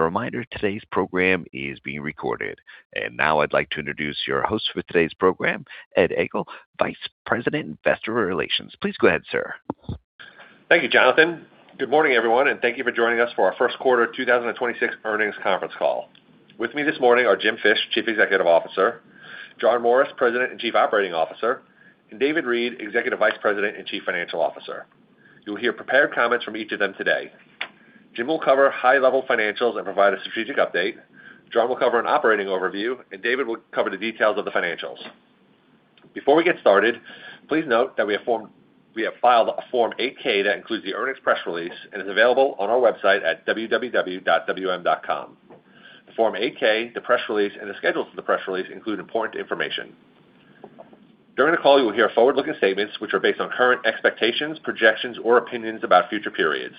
A reminder, today's program is being recorded. Now I'd like to introduce your host for today's program, Ed Egl, Vice President, Investor Relations. Please go ahead, sir. Thank you, Jonathan. Good morning, everyone, and thank you for joining us for our Q1 2026 earnings conference call. With me this morning are Jim Fish, Chief Executive Officer, John Morris, President and Chief Operating Officer, and David Reed, Executive Vice President and Chief Financial Officer. You'll hear prepared comments from each of them today. Jim will cover high-level financials and provide a strategic update. John will cover an operating overview, and David will cover the details of the financials. Before we get started, please note that we have filed a Form 8-K that includes the earnings press release and is available on our website at www.wm.com. The Form 8-K, the press release, and the schedule to the press release include important information. During the call, you will hear forward-looking statements which are based on current expectations, projections, or opinions about future periods.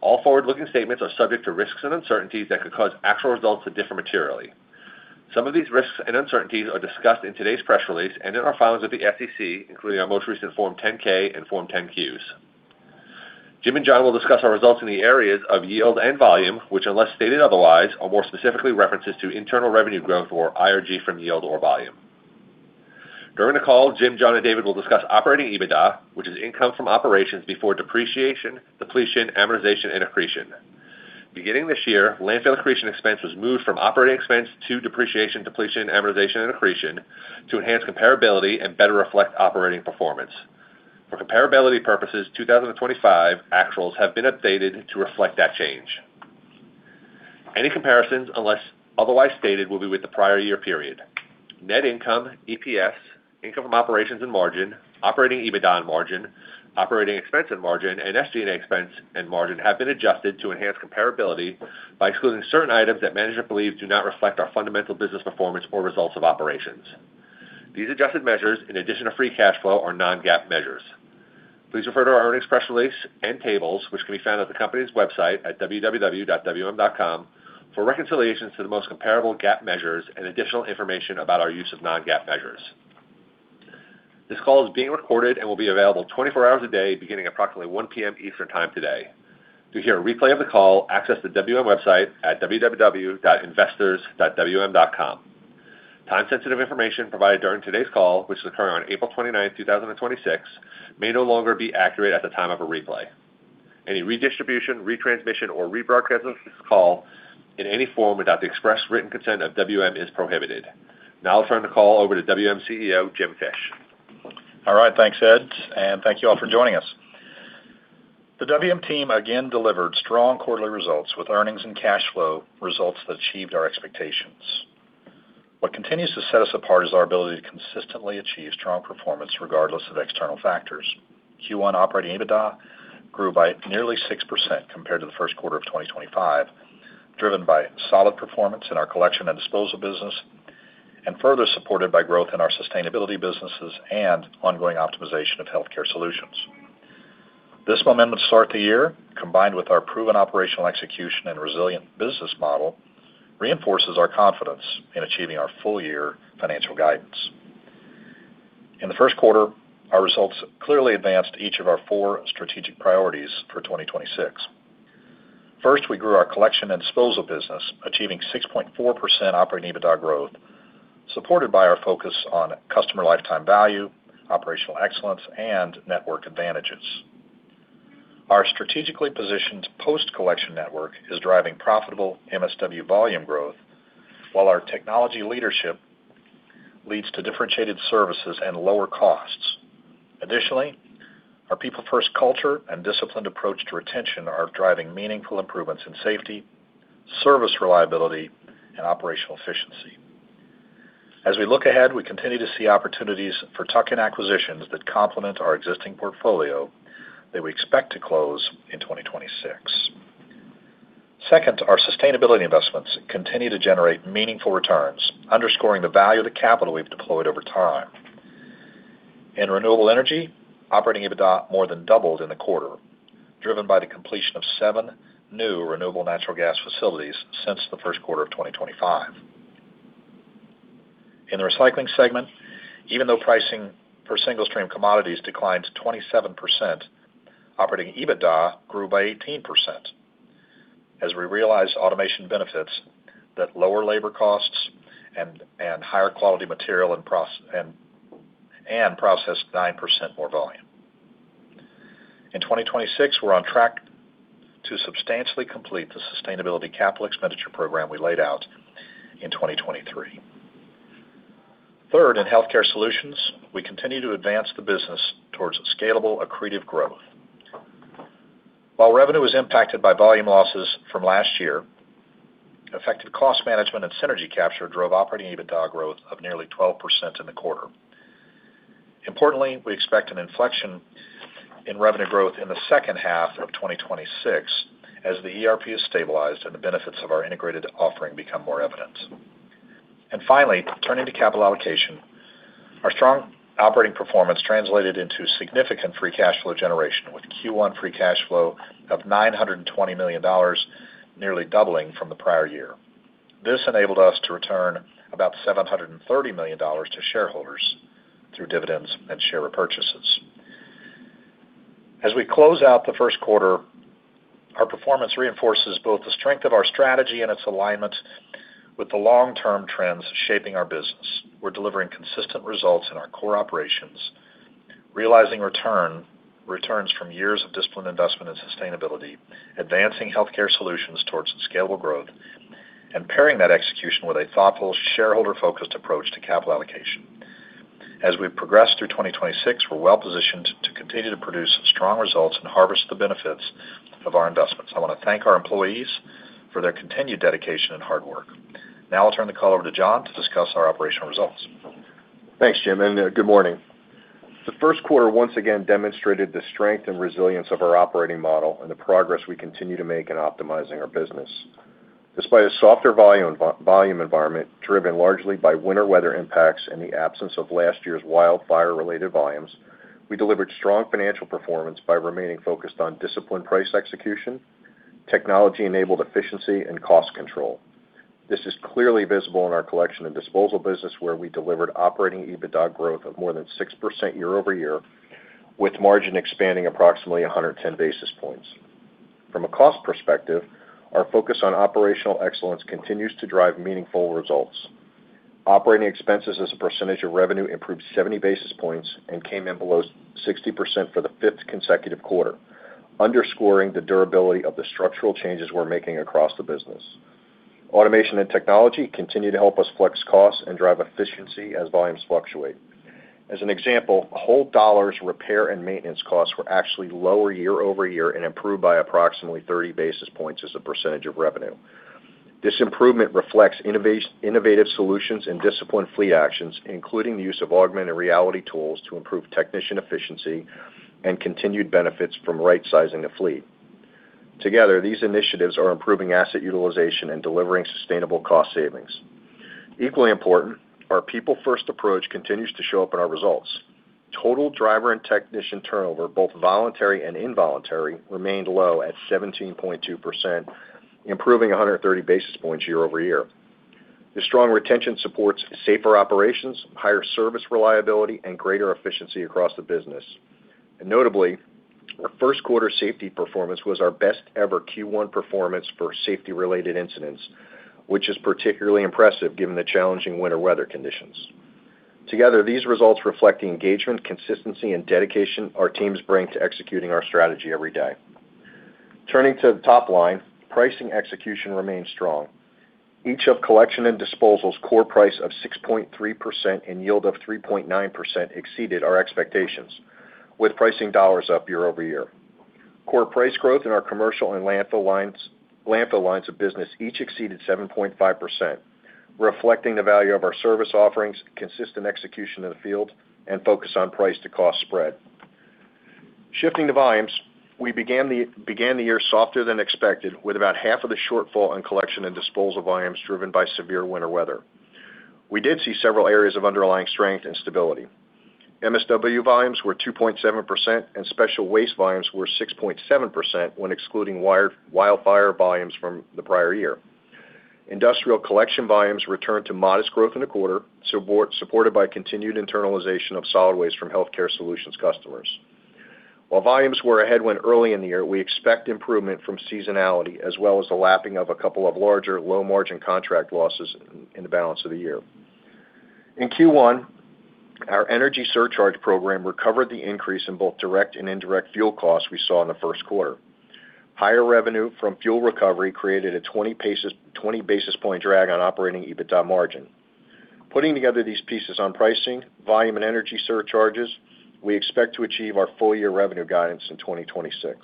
All forward-looking statements are subject to risks and uncertainties that could cause actual results to differ materially. Some of these risks and uncertainties are discussed in today's press release and in our filings with the SEC, including our most recent Form 10-K and Form 10-Qs. Jim and John will discuss our results in the areas of yield and volume, which unless stated otherwise, are more specifically references to internal revenue growth or IRG from yield or volume. During the call, Jim, John, and David will discuss Operating EBITDA, which is income from operations before depreciation, depletion, amortization, and accretion. Beginning this year, landfill accretion expense was moved from operating expense to depreciation, depletion, amortization, and accretion to enhance comparability and better reflect operating performance. For comparability purposes, 2025 actuals have been updated to reflect that change. Any comparisons, unless otherwise stated, will be with the prior year period. Net income, EPS, income from operations and margin, Operating EBITDA and margin, operating expense and margin, and SG&A expense and margin have been adjusted to enhance comparability by excluding certain items that management believes do not reflect our fundamental business performance or results of operations. These adjusted measures, in addition to free cash flow, are non-GAAP measures. Please refer to our earnings press release and tables, which can be found at the company's website at www.wm.com for reconciliations to the most comparable GAAP measures and additional information about our use of non-GAAP measures. This call is being recorded and will be available 24 hours a day, beginning approximately 1:00 P.M. Eastern Time today. To hear a replay of the call, access the WM website at www.investors.wm.com. Time-sensitive information provided during today's call, which is occurring on April 29th, 2026, may no longer be accurate at the time of a replay. Any redistribution, retransmission, or rebroadcast of this call in any form without the express written consent of WM is prohibited. Now I'll turn the call over to WM CEO, Jim Fish. All right. Thanks, Ed, and thank you all for joining us. The WM team again delivered strong quarterly results with earnings and cash flow results that achieved our expectations. What continues to set us apart is our ability to consistently achieve strong performance regardless of external factors. Q1 Operating EBITDA grew by nearly 6% compared to the Q1 of 2025, driven by solid performance in our collection and disposal business and further supported by growth in our sustainability businesses and ongoing optimization of healthcare solutions. This momentum to start the year, combined with our proven operational execution and resilient business model, reinforces our confidence in achieving our full-year financial guidance. In the Q1, our results clearly advanced each of our four strategic priorities for 2026. First, we grew our collection and disposal business, achieving 6.4% Operating EBITDA growth, supported by our focus on customer lifetime value, operational excellence, and network advantages. Our strategically positioned post-collection network is driving profitable MSW volume growth, while our technology leadership leads to differentiated services and lower costs. Additionally, our people-first culture and disciplined approach to retention are driving meaningful improvements in safety, service reliability, and operational efficiency. As we look ahead, we continue to see opportunities for tuck-in acquisitions that complement our existing portfolio that we expect to close in 2026. Second, our sustainability investments continue to generate meaningful returns, underscoring the value of the capital we've deployed over time. In renewable energy, Operating EBITDA more than doubled in the quarter, driven by the completion of seven new renewable natural gas facilities since the Q1 of 2025. In the recycling segment, even though pricing for single-stream commodities declined to 27%, Operating EBITDA grew by 18% as we realized automation benefits that lower labour costs and higher quality material and processed 9% more volume. In 2026, we're on track to substantially complete the sustainability capital expenditure program we laid out in 2023. Third, in Healthcare Solutions, we continue to advance the business towards scalable accretive growth. While revenue was impacted by volume losses from last year, effective cost management and synergy capture drove Operating EBITDA growth of nearly 12% in the quarter. Importantly, we expect an inflection in revenue growth in the H2 of 2026 as the ERP is stabilized and the benefits of our integrated offering become more evident. Finally, turning to capital allocation. Our strong operating performance translated into significant free cash flow generation, with Q1 free cash flow of $920 million, nearly doubling from the prior year. This enabled us to return about $730 million to shareholders through dividends and share repurchases. As we close out the Q1, our performance reinforces both the strength of our strategy and its alignment with the long-term trends shaping our business. We're delivering consistent results in our core operations, realizing returns from years of disciplined investment and sustainability, advancing Healthcare Solutions towards scalable growth, and pairing that execution with a thoughtful shareholder-focused approach to capital allocation. As we progress through 2026, we're well-positioned to continue to produce strong results and harvest the benefits of our investments. I want to thank our employees for their continued dedication and hard work. Now I'll turn the call over to John to discuss our operational results. Thanks, Jim, and good morning. The Q1 once again demonstrated the strength and resilience of our operating model and the progress we continue to make in optimizing our business. Despite a softer volume environment driven largely by winter weather impacts and the absence of last year's wildfire-related volumes, we delivered strong financial performance by remaining focused on disciplined price execution, technology-enabled efficiency, and cost control. This is clearly visible in our collection and disposal business, where we delivered Operating EBITDA growth of more than 6% year-over-year, with margin expanding approximately 110 basis points. From a cost perspective, our focus on operational excellence continues to drive meaningful results. Operating expenses as a percentage of revenue improved 70 basis points and came in below 60% for the consecutive Q5, underscoring the durability of the structural changes we're making across the business. Automation and technology continue to help us flex costs and drive efficiency as volumes fluctuate. As an example, total repair and maintenance costs were actually lower year-over-year and improved by approximately 30 basis points as a percentage of revenue. This improvement reflects innovative solutions and disciplined fleet actions, including the use of augmented reality tools to improve technician efficiency and continued benefits from rightsizing the fleet. Together, these initiatives are improving asset utilization and delivering sustainable cost savings. Equally important, our people-first approach continues to show up in our results. Total driver and technician turnover, both voluntary and involuntary, remained low at 17.2%, improving 130 basis points year-over-year. The strong retention supports safer operations, higher service reliability, and greater efficiency across the business. Notably, our Q1 safety performance was our best ever Q1 performance for safety-related incidents, which is particularly impressive given the challenging winter weather conditions. Together, these results reflect the engagement, consistency, and dedication our teams bring to executing our strategy every day. Turning to the top line, pricing execution remained strong. Each of collection and disposal's core price of 6.3% and yield of 3.9% exceeded our expectations, with pricing dollars up year-over-year. Core price growth in our commercial and landfill lines of business each exceeded 7.5%, reflecting the value of our service offerings, consistent execution in the field, and focus on price to cost spread. Shifting to volumes, we began the year softer than expected, with about half of the shortfall in collection and disposal volumes driven by severe winter weather. We did see several areas of underlying strength and stability. MSW volumes were 2.7%, and special waste volumes were 6.7% when excluding wildfire volumes from the prior year. Industrial collection volumes returned to modest growth in the quarter, supported by continued internalization of solid waste from healthcare solutions customers. While volumes were a headwind early in the year, we expect improvement from seasonality as well as the lapping of a couple of larger low-margin contract losses in the balance of the year. In Q1, our energy surcharge program recovered the increase in both direct and indirect fuel costs we saw in the Q1. Higher revenue from fuel recovery created a 20 basis point drag on Operating EBITDA margin. Putting together these pieces on pricing, volume, and energy surcharges, we expect to achieve our full-year revenue guidance in 2026.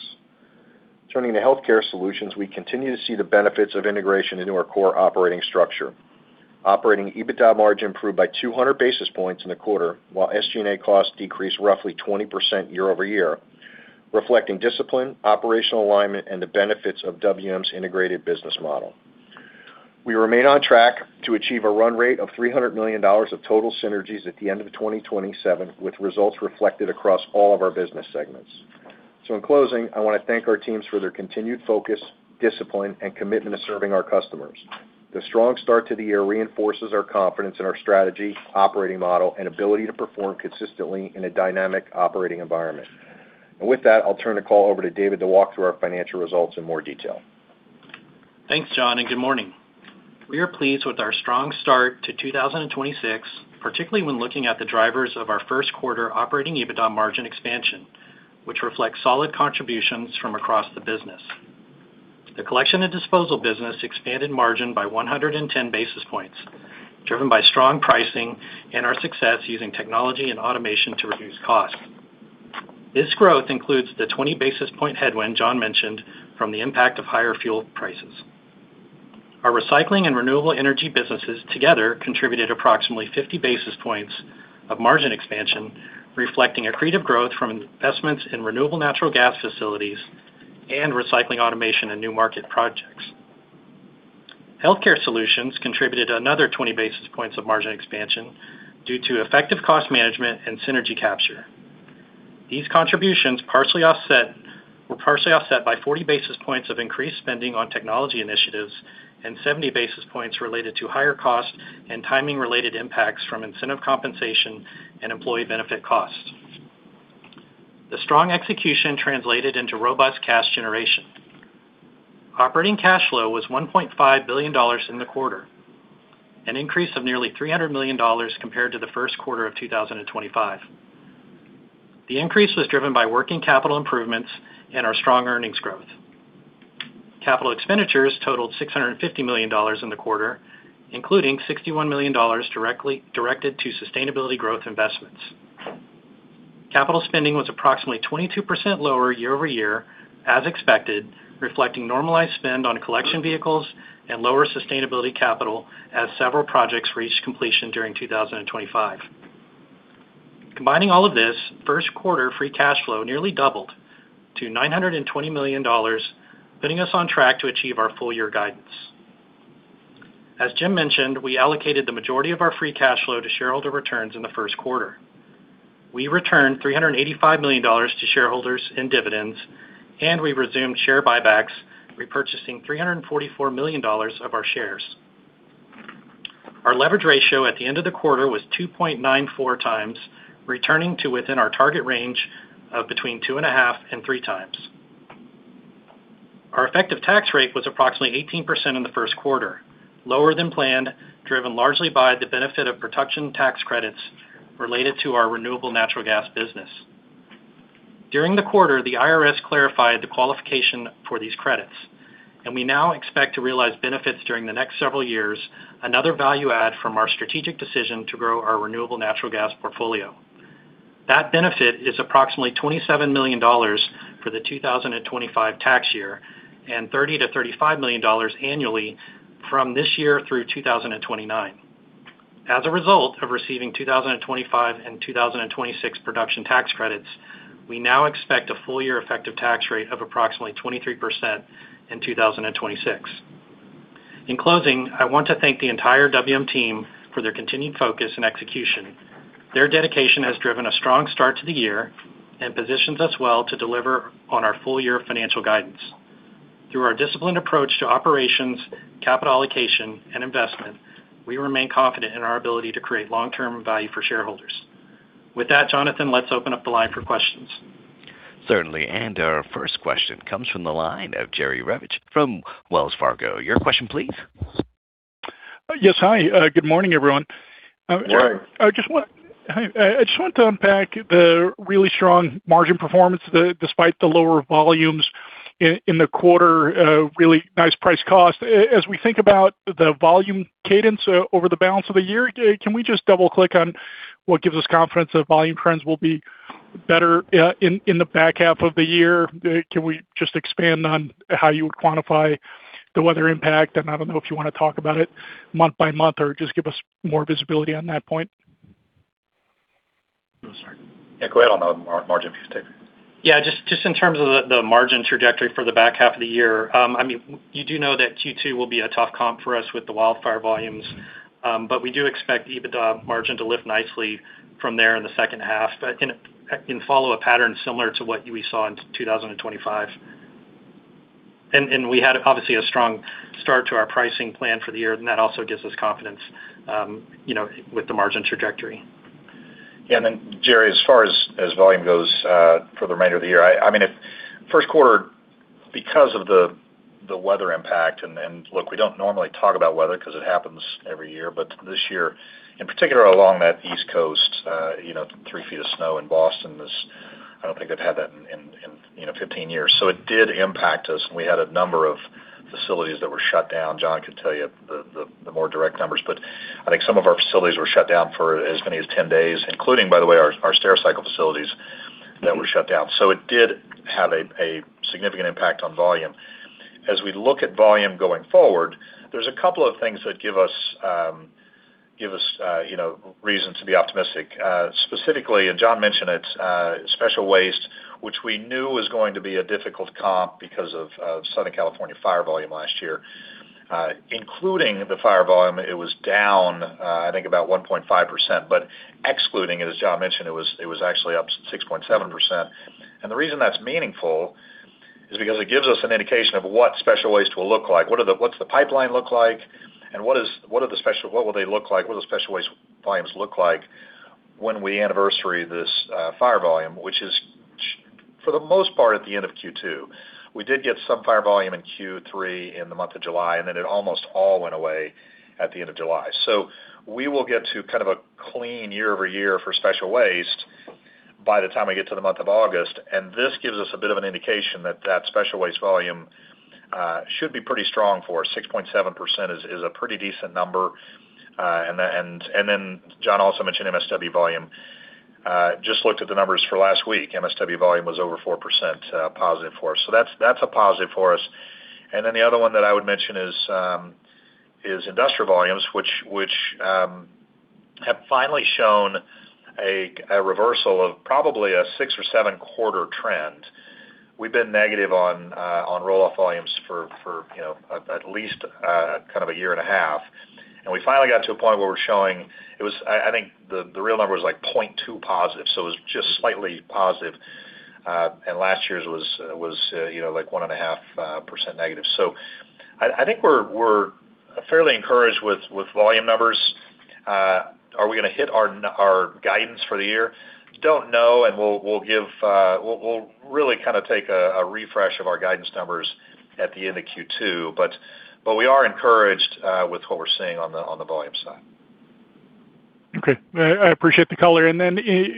Turning to WM Healthcare Solutions, we continue to see the benefits of integration into our core operating structure. Operating EBITDA margin improved by 200 basis points in the quarter, while SG&A costs decreased roughly 20% year-over-year, reflecting discipline, operational alignment, and the benefits of WM's integrated business model. We remain on track to achieve a run rate of $300 million of total synergies at the end of 2027, with results reflected across all of our business segments. In closing, I want to thank our teams for their continued focus, discipline, and commitment to serving our customers. The strong start to the year reinforces our confidence in our strategy, operating model, and ability to perform consistently in a dynamic operating environment. `With that, I'll turn the call over to David to walk through our financial results in more detail. Thanks, John, and good morning. We are pleased with our strong start to 2026, particularly when looking at the drivers of our Q1 Operating EBITDA margin expansion, which reflects solid contributions from across the business. The collection and disposal business expanded margin by 110 basis points, driven by strong pricing and our success using technology and automation to reduce costs. This growth includes the 20 basis point headwind John mentioned from the impact of higher fuel prices. Our recycling and renewable energy businesses together contributed approximately 50 basis points of margin expansion, reflecting accretive growth from investments in renewable natural gas facilities and recycling automation and new market projects. WM Healthcare Solutions contributed another 20 basis points of margin expansion due to effective cost management and synergy capture. These contributions Partially offset by 40 basis points of increased spending on technology initiatives and 70 basis points related to higher cost and timing-related impacts from incentive compensation and employee benefit costs. The strong execution translated into robust cash generation. Operating cash flow was $1.5 billion in the quarter, an increase of nearly $300 million compared to the Q1 of 2025. The increase was driven by working capital improvements and our strong earnings growth. Capital expenditures totalled $650 million in the quarter, including $61 million directed to sustainability growth investments. Capital spending was approximately 22% lower year-over-year, as expected, reflecting normalized spend on collection vehicles and lower sustainability capital as several projects reached completion during 2025. Combining all of this, Q1 free cash flow nearly doubled to $920 million, putting us on track to achieve our full-year guidance. As Jim mentioned, we allocated the majority of our free cash flow to shareholder returns in the Q1. We returned $385 million to shareholders in dividends, and we resumed share buybacks, repurchasing $344 million of our shares. Our leverage ratio at the end of the quarter was 2.94x, returning to within our target range of between 2.5x and 3x. Our effective tax rate was approximately 18% in the Q1, lower than planned, driven largely by the benefit of production tax credits related to our renewable natural gas business. During the quarter, the IRS clarified the qualification for these credits, and we now expect to realize benefits during the next several years, another value add from our strategic decision to grow our renewable natural gas portfolio. That benefit is approximately $27 million for the 2025 tax year and $30 million-$35 million annually from this year through 2029. As a result of receiving 2025 and 2026 production tax credits, we now expect a full-year effective tax rate of approximately 23% in 2026. In closing, I want to thank the entire WM team for their continued focus and execution. Their dedication has driven a strong start to the year and positions us well to deliver on our full-year financial guidance. Through our disciplined approach to operations, capital allocation, and investment, we remain confident in our ability to create long-term value for shareholders. With that, Jonathan, let's open up the line for questions. Certainly. Our first question comes from the line of Jerry Revich from Wells Fargo. Your question, please. Yes. Hi, good morning, everyone. Good morning. I just want to unpack the really strong margin performance, despite the lower volumes in the quarter, really nice price cost. As we think about the volume cadence over the balance of the year, can we just double-click on what gives us confidence that volume trends will be better in the H2 of the year? Can we just expand on how you would quantify the weather impact? I don't know if you want to talk about it month by month or just give us more visibility on that point. Oh, sorry. Go ahead on the margin piece, Dave. Yeah, just in terms of the margin trajectory for the H2 of the year, I mean, you do know that Q2 will be a tough comp for us with the wildfire volumes. But we do expect EBITDA margin to lift nicely from there in the H2, and follow a pattern similar to what we saw in 2025. We had, obviously, a strong start to our pricing plan for the year, and that also gives us confidence, you know, with the margin trajectory. Yeah. Jerry, as far as volume goes, for the remainder of the year, I mean, if Q1 because of the weather impact and look, we don't normally talk about weather 'cause it happens every year, but this year, in particular along that East Coast, you know, three feet of snow in Boston is, I don't think they've had that in, you know, 15 years. It did impact us, and we had a number of facilities that were shut down. John could tell you the more direct numbers, but I think some of our facilities were shut down for as many as 10 days, including, by the way, our Stericycle facilities that were shut down. It did have a significant impact on volume. As we look at volume going forward, there's a couple of things that give us, give us, you know, reason to be optimistic. Specifically, and John mentioned it, special waste, which we knew was going to be a difficult comp because of Southern California fire volume last year. Including the fire volume, it was down, I think about 1.5%, but excluding it, as John mentioned, it was actually up 6.7%. The reason that's meaningful is because it gives us an indication of what special waste will look like. What's the pipeline look like? And what will special waste volumes look like when we anniversary this fire volume, which is for the most part, at the end of Q2. We did get some fire volume in Q3 in the month of July, and then it almost all went away at the end of July. We will get to kind of a clean year-over-year for special waste by the time we get to the month of August, and this gives us a bit of an indication that that special waste volume should be pretty strong for us. 6.7% is a pretty decent number. John also mentioned MSW volume. Just looked at the numbers for last week. MSW volume was over +4% for us. That's a positive for us. The other one that I would mention is industrial volumes, which have finally shown a reversal of probably a six or seven-quarter trend. We've been negative on roll-off volumes for, you know, at least a year and a half. We finally got to a point where we're showing. I think the real number was like +0.2%, so it was just slightly positive. Last year's was, you know, like -1.5%. I think we're fairly encouraged with volume numbers. Are we going to hit our guidance for the year? Don't know. We'll really kind of take a refresh of our guidance numbers at the end of Q2, but we are encouraged with what we're seeing on the volume side. Okay. I appreciate the color.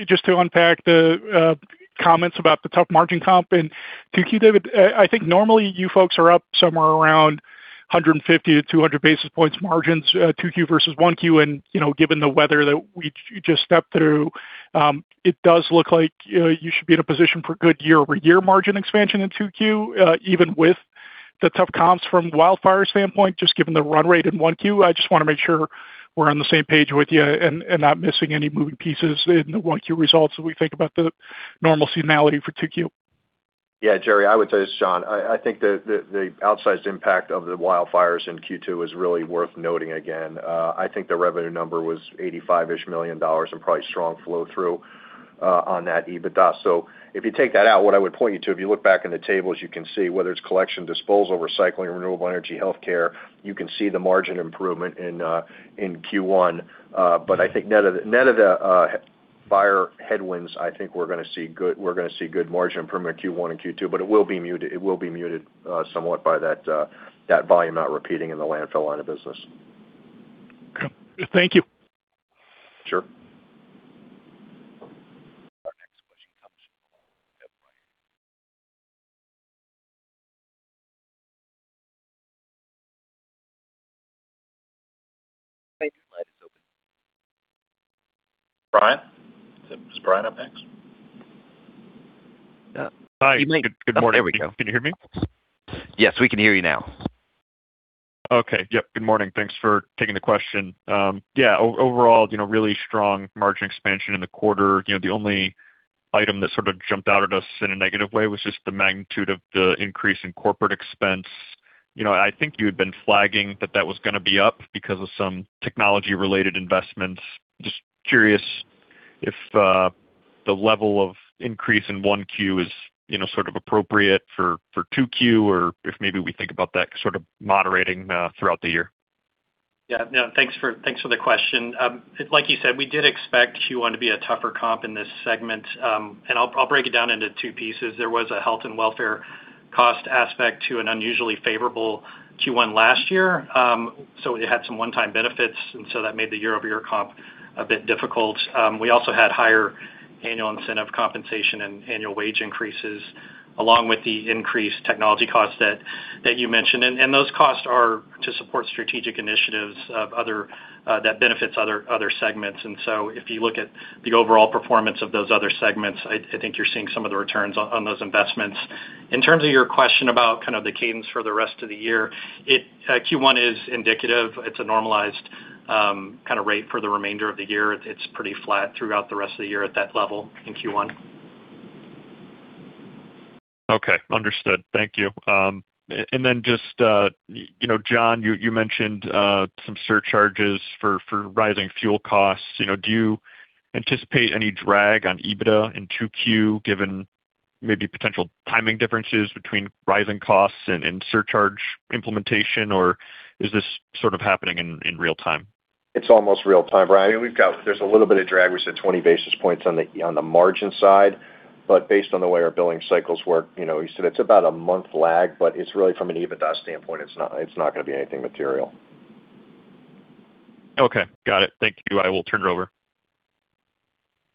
Just to unpack the comments about the tough margin comp in 2Q, David, I think normally you folks are up somewhere around 150-200 basis points margins, 2Q versus 1Q. You know, given the weather that you just stepped through, it does look like you should be in a position for good year-over-year margin expansion in 2Q, even with the tough comps from the wildfire standpoint, just given the run rate in 1Q. I just want to make sure we're on the same page with you and not missing any moving pieces in the 1Q results when we think about the normal seasonality for 2Q. Yeah, Jerry, I would say, as John, I think the outsized impact of the wildfires in Q2 is really worth noting again. I think the revenue number was $85 million-ish and probably strong flow-through on that EBITDA. If you take that out, what I would point you to, if you look back in the tables, you can see whether it's collection, disposal, recycling, renewable energy, healthcare, you can see the margin improvement in Q1. I think net of the fire headwinds, we're going to see good margin improvement Q1 and Q2, but it will be muted somewhat by that volume not repeating in the landfill line of business. Okay. Thank you. Sure. Our next question comes from the line of Brian Butler. Your line is open. Brian? Is Brian up next? Yeah. Hi. Good morning. There we go. Can you hear me? Yes, we can hear you now. Okay. Yep, good morning. Thanks for taking the question. Yeah, overall, you know, really strong margin expansion in the quarter. You know, the only item that sort of jumped out at us in a negative way was just the magnitude of the increase in corporate expense. You know, I think you had been flagging that that was going to be up because of some technology-related investments. Just curious if the level of increase in 1Q is, you know, sort of appropriate for 2Q, or if maybe we think about that sort of moderating throughout the year. Yeah, no, thanks for the question. Like you said, we did expect Q1 to be a tougher comp in this segment. I'll break it down into two pieces. There was a health and welfare cost aspect to an unusually favourable Q1 last year. It had some one-time benefits, and so that made the year-over-year comp a bit difficult. We also had higher annual incentive compensation and annual wage increases, along with the increased technology costs that you mentioned. Those costs are to support strategic initiatives of other that benefits other segments. If you look at the overall performance of those other segments, I think you're seeing some of the returns on those investments. In terms of your question about kind of the cadence for the rest of the year, it... Q1 is indicative. It's a normalized rate for the remainder of the year. It's pretty flat throughout the rest of the year at that level in Q1. Okay. Understood. Thank you. Then just, you know, John, you mentioned some surcharges for rising fuel costs. You know, do you anticipate any drag on EBITDA in 2Q given maybe potential timing differences between rising costs and surcharge implementation, or is this sort of happening in real time? It's almost real time, Brian. There's a little bit of drag. We said 20 basis points on the margin side. Based on the way our billing cycles work, you know, you said it's about a month lag, but it's really from an EBITDA standpoint, it's not going to be anything material. Okay. Got it. Thank you. I will turn it over.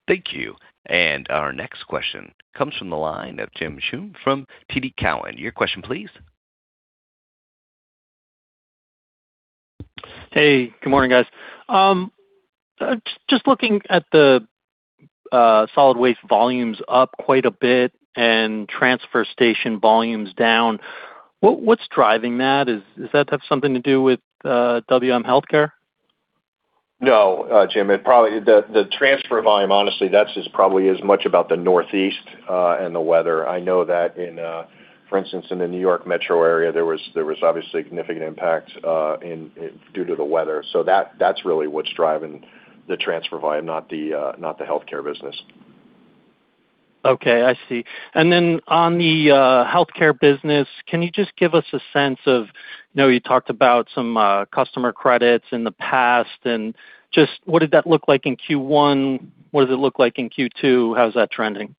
Thank you. Our next question comes from the line of James Schumm from TD Cowen. Your question please. Hey. Good morning, guys. just looking at the solid waste volumes up quite a bit and transfer station volumes down, what's driving that? Does that have something to do with WM Healthcare? No, Jim. The transfer volume, honestly, that's just probably as much about the Northeast and the weather. I know that in, for instance, in the New York Metro area, there was obviously significant impact due to the weather. That's really what's driving the transfer volume, not the healthcare business. Okay. I see. On the healthcare business, can you just give us a sense of, I know you talked about some customer credits in the past. What did that look like in Q1? What does it look like in Q2? How's that trending?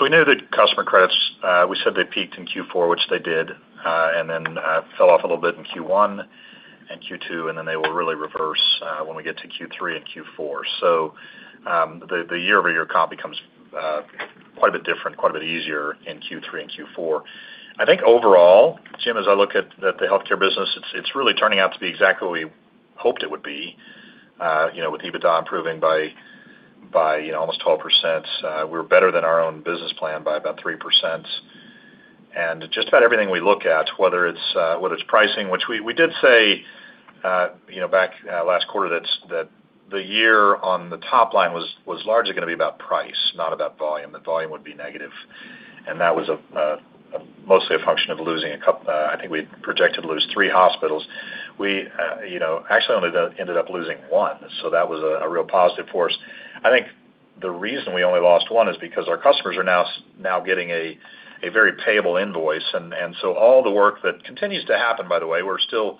We know that customer credits, we said they peaked in Q4, which they did, and then fell off a little bit in Q1 and Q2, and then they will really reverse when we get to Q3 and Q4. The year-over-year comp becomes quite a bit different, quite a bit easier in Q3 and Q4. I think overall, Jim, as I look at the healthcare business, it's really turning out to be exactly what we hoped it would be, you know, with EBITDA improving by, you know, almost 12%. We're better than our own business plan by about 3%. Just about everything we look at, whether it's, whether it's pricing, which we did say, you know, back last quarter that the year on the top line was largely going to be about price, not about volume. The volume would be negative, that was mostly a function of losing, I think we projected to lose three hospitals. We, you know, actually only ended up losing one, so that was a real positive for us. I think the reason we only lost one is because our customers are now getting a very payable invoice. All the work that continues to happen, by the way, we're still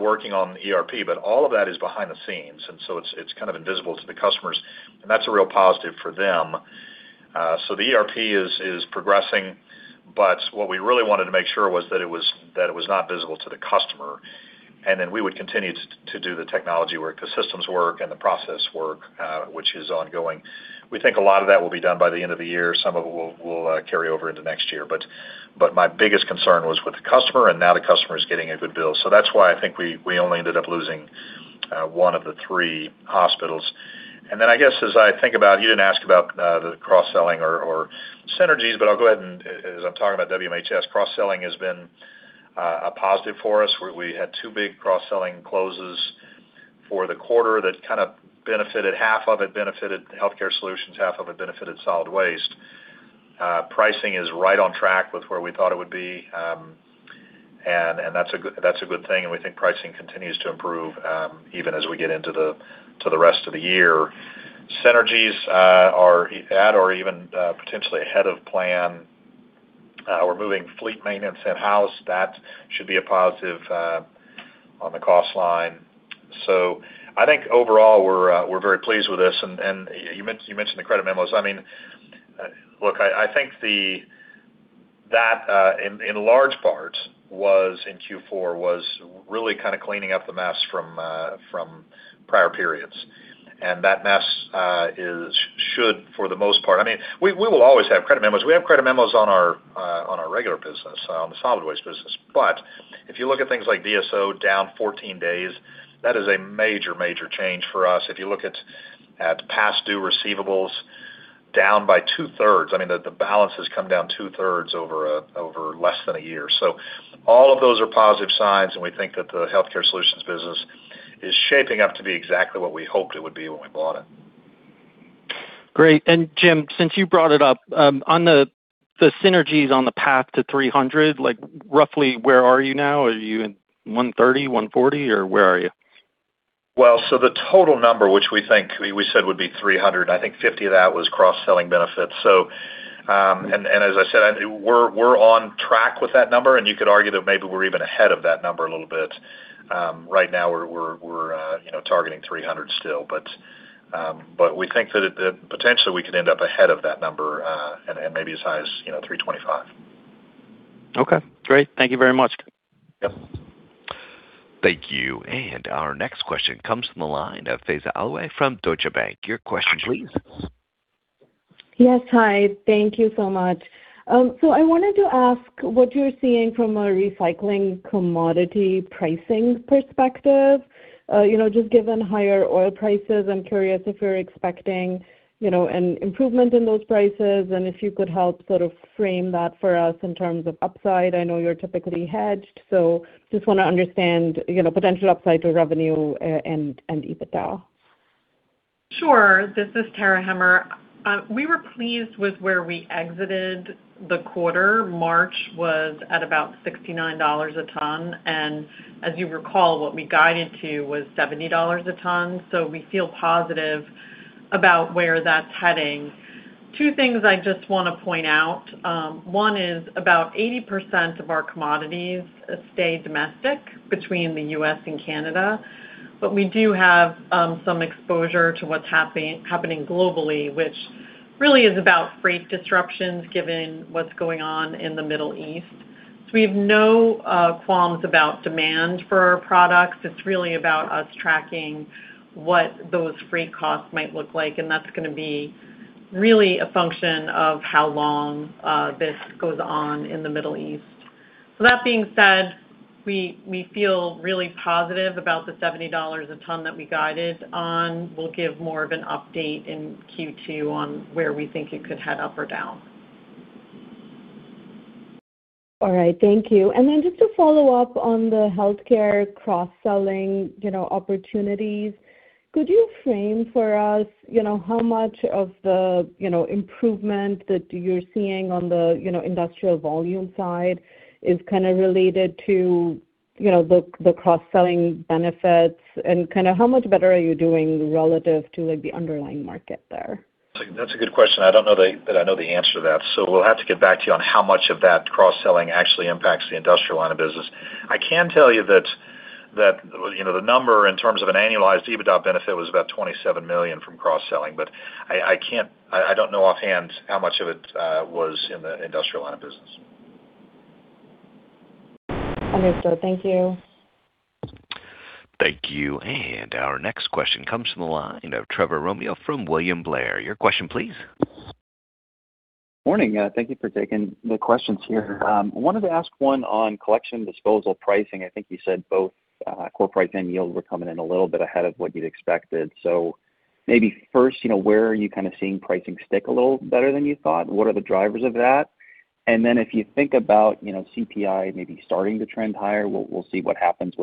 working on ERP, but all of that is behind the scenes, and so it's kind of invisible to the customers, and that's a real positive for them. The ERP is progressing, but what we really wanted to make sure was that it was not visible to the customer, and then we would continue to do the technology work, the systems work, and the process work, which is ongoing. We think a lot of that will be done by the end of the year. Some of it will carry over into next year. My biggest concern was with the customer, and now the customer is getting a good bill. That's why I think we only ended up losing one of the three hospitals. As I think about, you didn't ask about the cross-selling or synergies, I'll go ahead and as I'm talking about WMHS, cross-selling has been a positive for us. We had two big cross-selling closes for the quarter that kind of benefited. Half of it benefited Healthcare Solutions, half of it benefited Solid Waste. Pricing is right on track with where we thought it would be, that's a good thing, we think pricing continues to improve even as we get into the rest of the year. Synergies are at or even potentially ahead of plan. We're moving fleet maintenance in-house. That should be a positive on the cost line. I think overall, we're very pleased with this. You mentioned the credit memos. I mean, look, that in large part was, in Q4, was really kind of cleaning up the mess from prior periods. That mess should, for the most part, I mean, we will always have credit memos. We have credit memos on our regular business, on the Solid Waste business. If you look at things like DSO down 14 days, that is a major change for us. If you look at past due receivables down by two-thirds, I mean, the balance has come down two-thirds over less than a year. All of those are positive signs, and we think that the Healthcare Solutions business is shaping up to be exactly what we hoped it would be when we bought it. Great. Jim, since you brought it up, on the synergies on the path to 300, like roughly where are you now? Are you at 130, 140, or where are you? The total number, which we think we said would be 300, I think 50 of that was cross-selling benefits. As I said, I think we're on track with that number, and you could argue that maybe we're even ahead of that number a little bit. Right now we're, you know, targeting 300 still, we think that Potentially we could end up ahead of that number, at maybe as high as, you know, 325. Okay, great. Thank you very much. Yep. Thank you. Our next question comes from the line of Faiza Alwy from Deutsche Bank. Your question please. Yes. Hi, thank you so much. I wanted to ask what you're seeing from a recycling commodity pricing perspective. You know, just given higher oil prices, I'm curious if you're expecting, you know, an improvement in those prices, and if you could help sort of frame that for us in terms of upside. I know you're typically hedged, just want to understand, you know, potential upside to revenue, and EBITDA. Sure. This is Tara Hemmer. We were pleased with where we exited the quarter. March was at about $69 a tonne, as you recall, what we guided to was $70 a tonne. We feel positive about where that's heading. Two things I just want to point out. One is about 80% of our commodities stay domestic between the U.S. and Canada, we do have some exposure to what's happening globally, which really is about freight disruptions given what's going on in the Middle East. We have no qualms about demand for our products. It's really about us tracking what those freight costs might look like, that's going to be really a function of how long this goes on in the Middle East. That being said, we feel really positive about the $70 a tonne that we guided on. We'll give more of an update in Q2 on where we think it could head up or down. All right, thank you. Then just to follow up on the healthcare cross-selling, you know, opportunities, could you frame for us, you know, how much of the, you know, improvement that you're seeing on the, you know, industrial volume side is kind of related to, you know, the cross-selling benefits? Kind of how much better are you doing relative to, like, the underlying market there? That's a good question. I don't know the answer to that, so we'll have to get back to you on how much of that cross-selling actually impacts the industrial line of business. I can tell you that, you know, the number in terms of an annualized EBITDA benefit was about $27 million from cross-selling, but I can't, I don't know offhand how much of it was in the industrial line of business. Understood. Thank you. Thank you. Our next question comes from the line of Trevor Romeo from William Blair. Your question please. Morning. Thank you for taking the questions here. I wanted to ask one on collection disposal pricing. I think you said both, core price and yield were coming in a little bit ahead of what you'd expected. Maybe first, you know, where are you kind of seeing pricing stick a little better than you thought? What are the drivers of that? Then if you think about, you know, CPI maybe starting to trend higher, we'll see what happens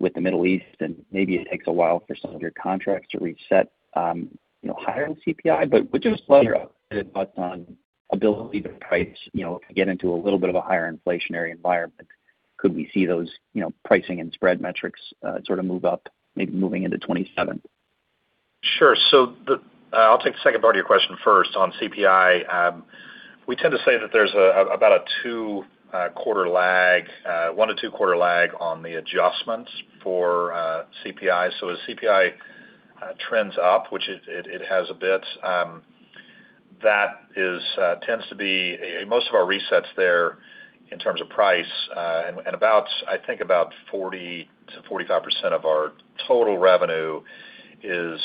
with the Middle East, and maybe it takes a while for some of your contracts to reset, you know, higher than CPI. Would you just Yeah. Ability to price, you know, if we get into a little bit of a higher inflationary environment, could we see those, you know, pricing and spread metrics sort of move up maybe moving into 2027? Sure. I'll take the second part of your question first. On CPI, we tend to say that there's about a two quarter lag, one-two quarter lag on the adjustments for CPI. As CPI trends up, which it has a bit, that tends to be most of our resets there in terms of price, and abouts I think about 40%-45% of our total revenue is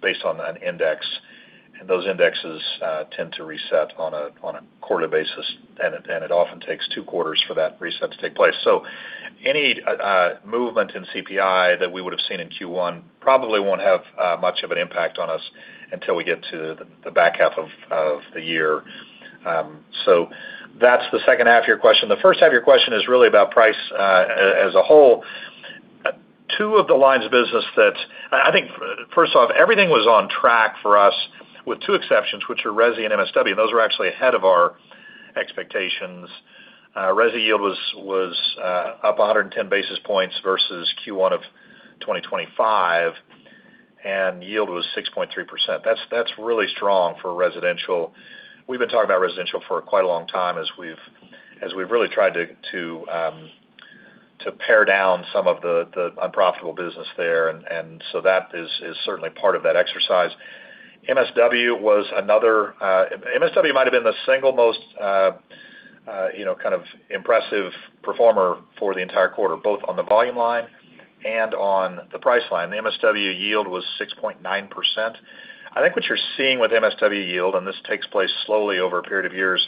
based on an index, and those indexes tend to reset on a quarterly basis, and it often takes two quarters for that reset to take place. So any movement in CPI that we would've seen in Q1 probably won't have much of an impact on us until we get to the H2 of the year. That's the H2 of your question. The H1 of your question is really about price as a whole. Two of the lines of business that I think first off, everything was on track for us with two exceptions, which are resi and MSW, and those were actually ahead of our expectations. Resi yield was up 110 basis points versus Q1 of 2025, and yield was 6.3%. That's really strong for residential. We've been talking about residential for quite a long time as we've really tried to pare down some of the unprofitable business there. That is certainly part of that exercise. MSW was another. MSW might have been the single most, you know, kind of impressive performer for the entire quarter, both on the volume line and on the price line. The MSW yield was 6.9%. I think what you're seeing with MSW yield, and this takes place slowly over a period of years,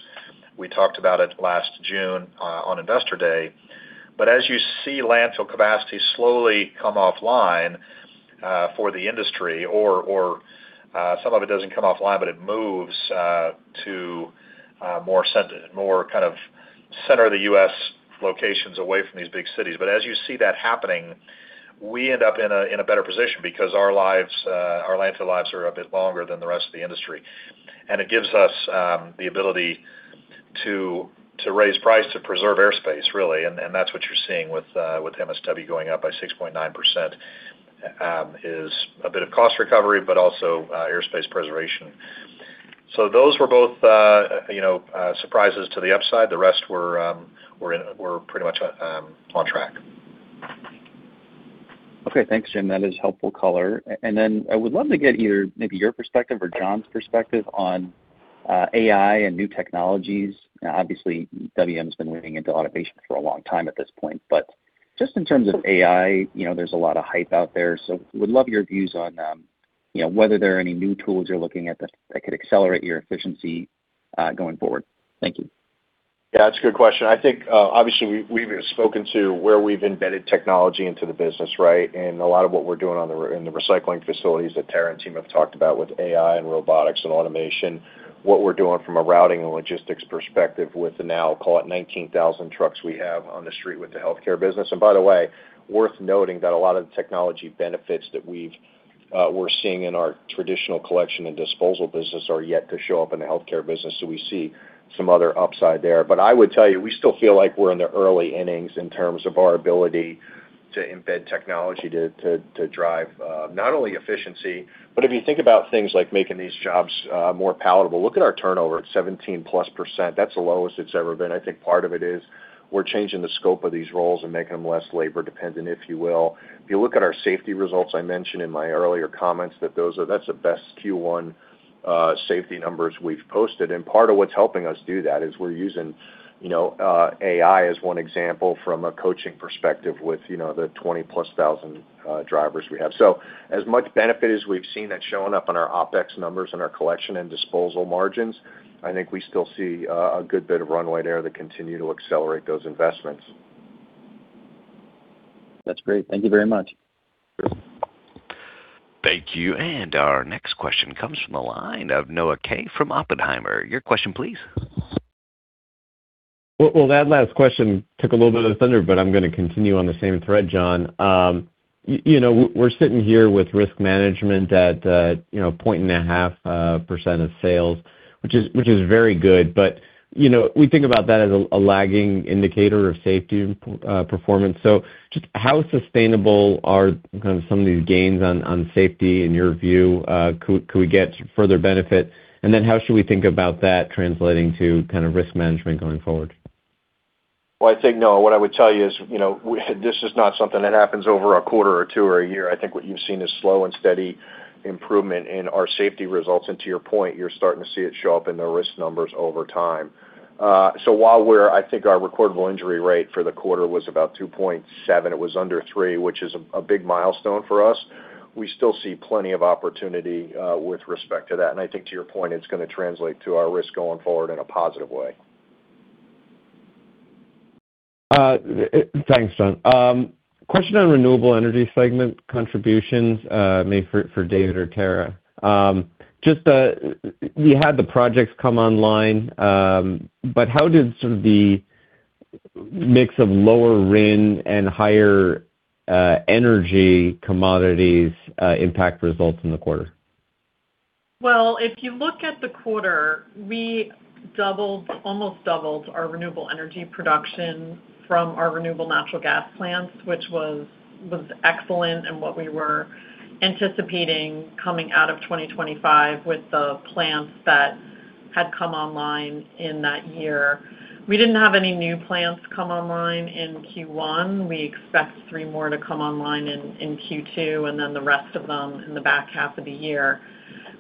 we talked about it last June, on Investor Day. As you see landfill capacity slowly come offline for the industry or some of it doesn't come offline, but it moves to more center, more kind of center of the U.S. locations away from these big cities. As you see that happening, we end up in a better position because our lives, our landfill lives are a bit longer than the rest of the industry. It gives us the ability to raise price to preserve airspace, really. That's what you're seeing with MSW going up by 6.9% is a bit of cost recovery, but also airspace preservation. Those were both, you know, surprises to the upside. The rest were pretty much on track. Okay, thanks, Jim. That is helpful color. Then I would love to get your, maybe your perspective or John Morris' perspective on AI and new technologies. Obviously, WM's been leaning into automation for a long time at this point. Just in terms of AI, you know, there's a lot of hype out there, so would love your views on, you know, whether there are any new tools you're looking at that could accelerate your efficiency going forward. Thank you. Yeah, that's a good question. I think, obviously we've spoken to where we've embedded technology into the business, right? A lot of what we're doing on the, in the recycling facilities that Tara and team have talked about with AI and robotics and automation, what we're doing from a routing and logistics perspective with the now, call it 19,000 trucks we have on the street with the healthcare business. By the way, worth noting that a lot of the technology benefits that we've, we're seeing in our traditional collection and disposal business are yet to show up in the healthcare business, so we see some other upside there. I would tell you, we still feel like we're in the early innings in terms of our ability to embed technology to drive not only efficiency, but if you think about things like making these jobs more palatable. Look at our turnover at 17+%. That's the lowest it's ever been. I think part of it is we're changing the scope of these roles and making them less labour-dependent, if you will. If you look at our safety results, I mentioned in my earlier comments that those are that's the best Q1 safety numbers we've posted. Part of what's helping us do that is we're using, you know, AI as one example from a coaching perspective with, you know, 20,000+ drivers we have. As much benefit as we've seen that's showing up in our OpEx numbers and our collection and disposal margins, I think we still see a good bit of runway there that continue to accelerate those investments. That's great. Thank you very much. Sure. Thank you. Our next question comes from the line of Noah Kaye from Oppenheimer. Your question please. Well, that last question took a little bit of the thunder, I'm going to continue on the same thread, John. You know, we're sitting here with risk management at, you know, 1.5% of sales, which is very good. You know, we think about that as a lagging indicator of safety performance. Just how sustainable are kind of some of these gains on safety in your view? Could we get further benefit? How should we think about that translating to kind of risk management going forward? Well, I think, Noah, what I would tell you is, you know, this is not something that happens over a quarter or two or a year. I think what you've seen is slow and steady improvement in our safety results. To your point, you're starting to see it show up in the risk numbers over time. So while I think our recordable injury rate for the quarter was about 2.7, it was under three, which is a big milestone for us, we still see plenty of opportunity with respect to that. I think to your point, it's going to translate to our risk going forward in a positive way. Thanks, John. Question on renewable energy segment contributions, maybe for David or Tara. Just, you had the projects come online, but how did sort of the mix of lower RIN and higher energy commodities impact results in the quarter? Well, if you look at the quarter, we almost doubled our renewable energy production from our renewable natural gas plants, which was excellent and what we were anticipating coming out of 2025 with the plants that had come online in that year. We didn't have any new plants come online in Q1. We expect three more to come online in Q2, and then the rest of them in the H2 of the year.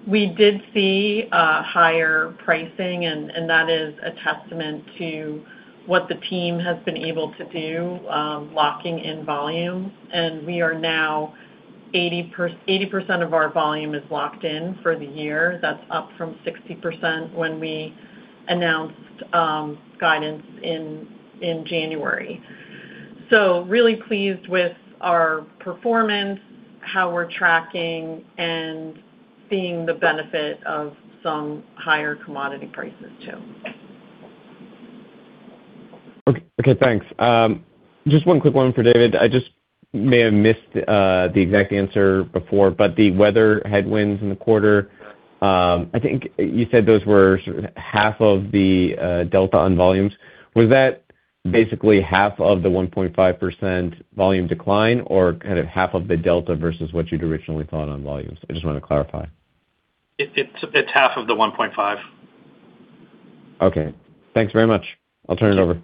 We did see higher pricing and that is a testament to what the team has been able to do, locking in volume. We are now 80% of our volume is locked in for the year. That's up from 60% when we announced guidance in January. Really pleased with our performance, how we're tracking, and seeing the benefit of some higher commodity prices too. Okay. Okay, thanks. Just one quick one for David. I just may have missed the exact answer before, but the weather headwinds in the quarter, I think you said those were sort of half of the delta on volumes. Was that basically half of the 1.5% volume decline or kind of half of the delta versus what you'd originally thought on volumes? I just want to clarify. It's half of the $1.5. Okay. Thanks very much. I'll turn it over.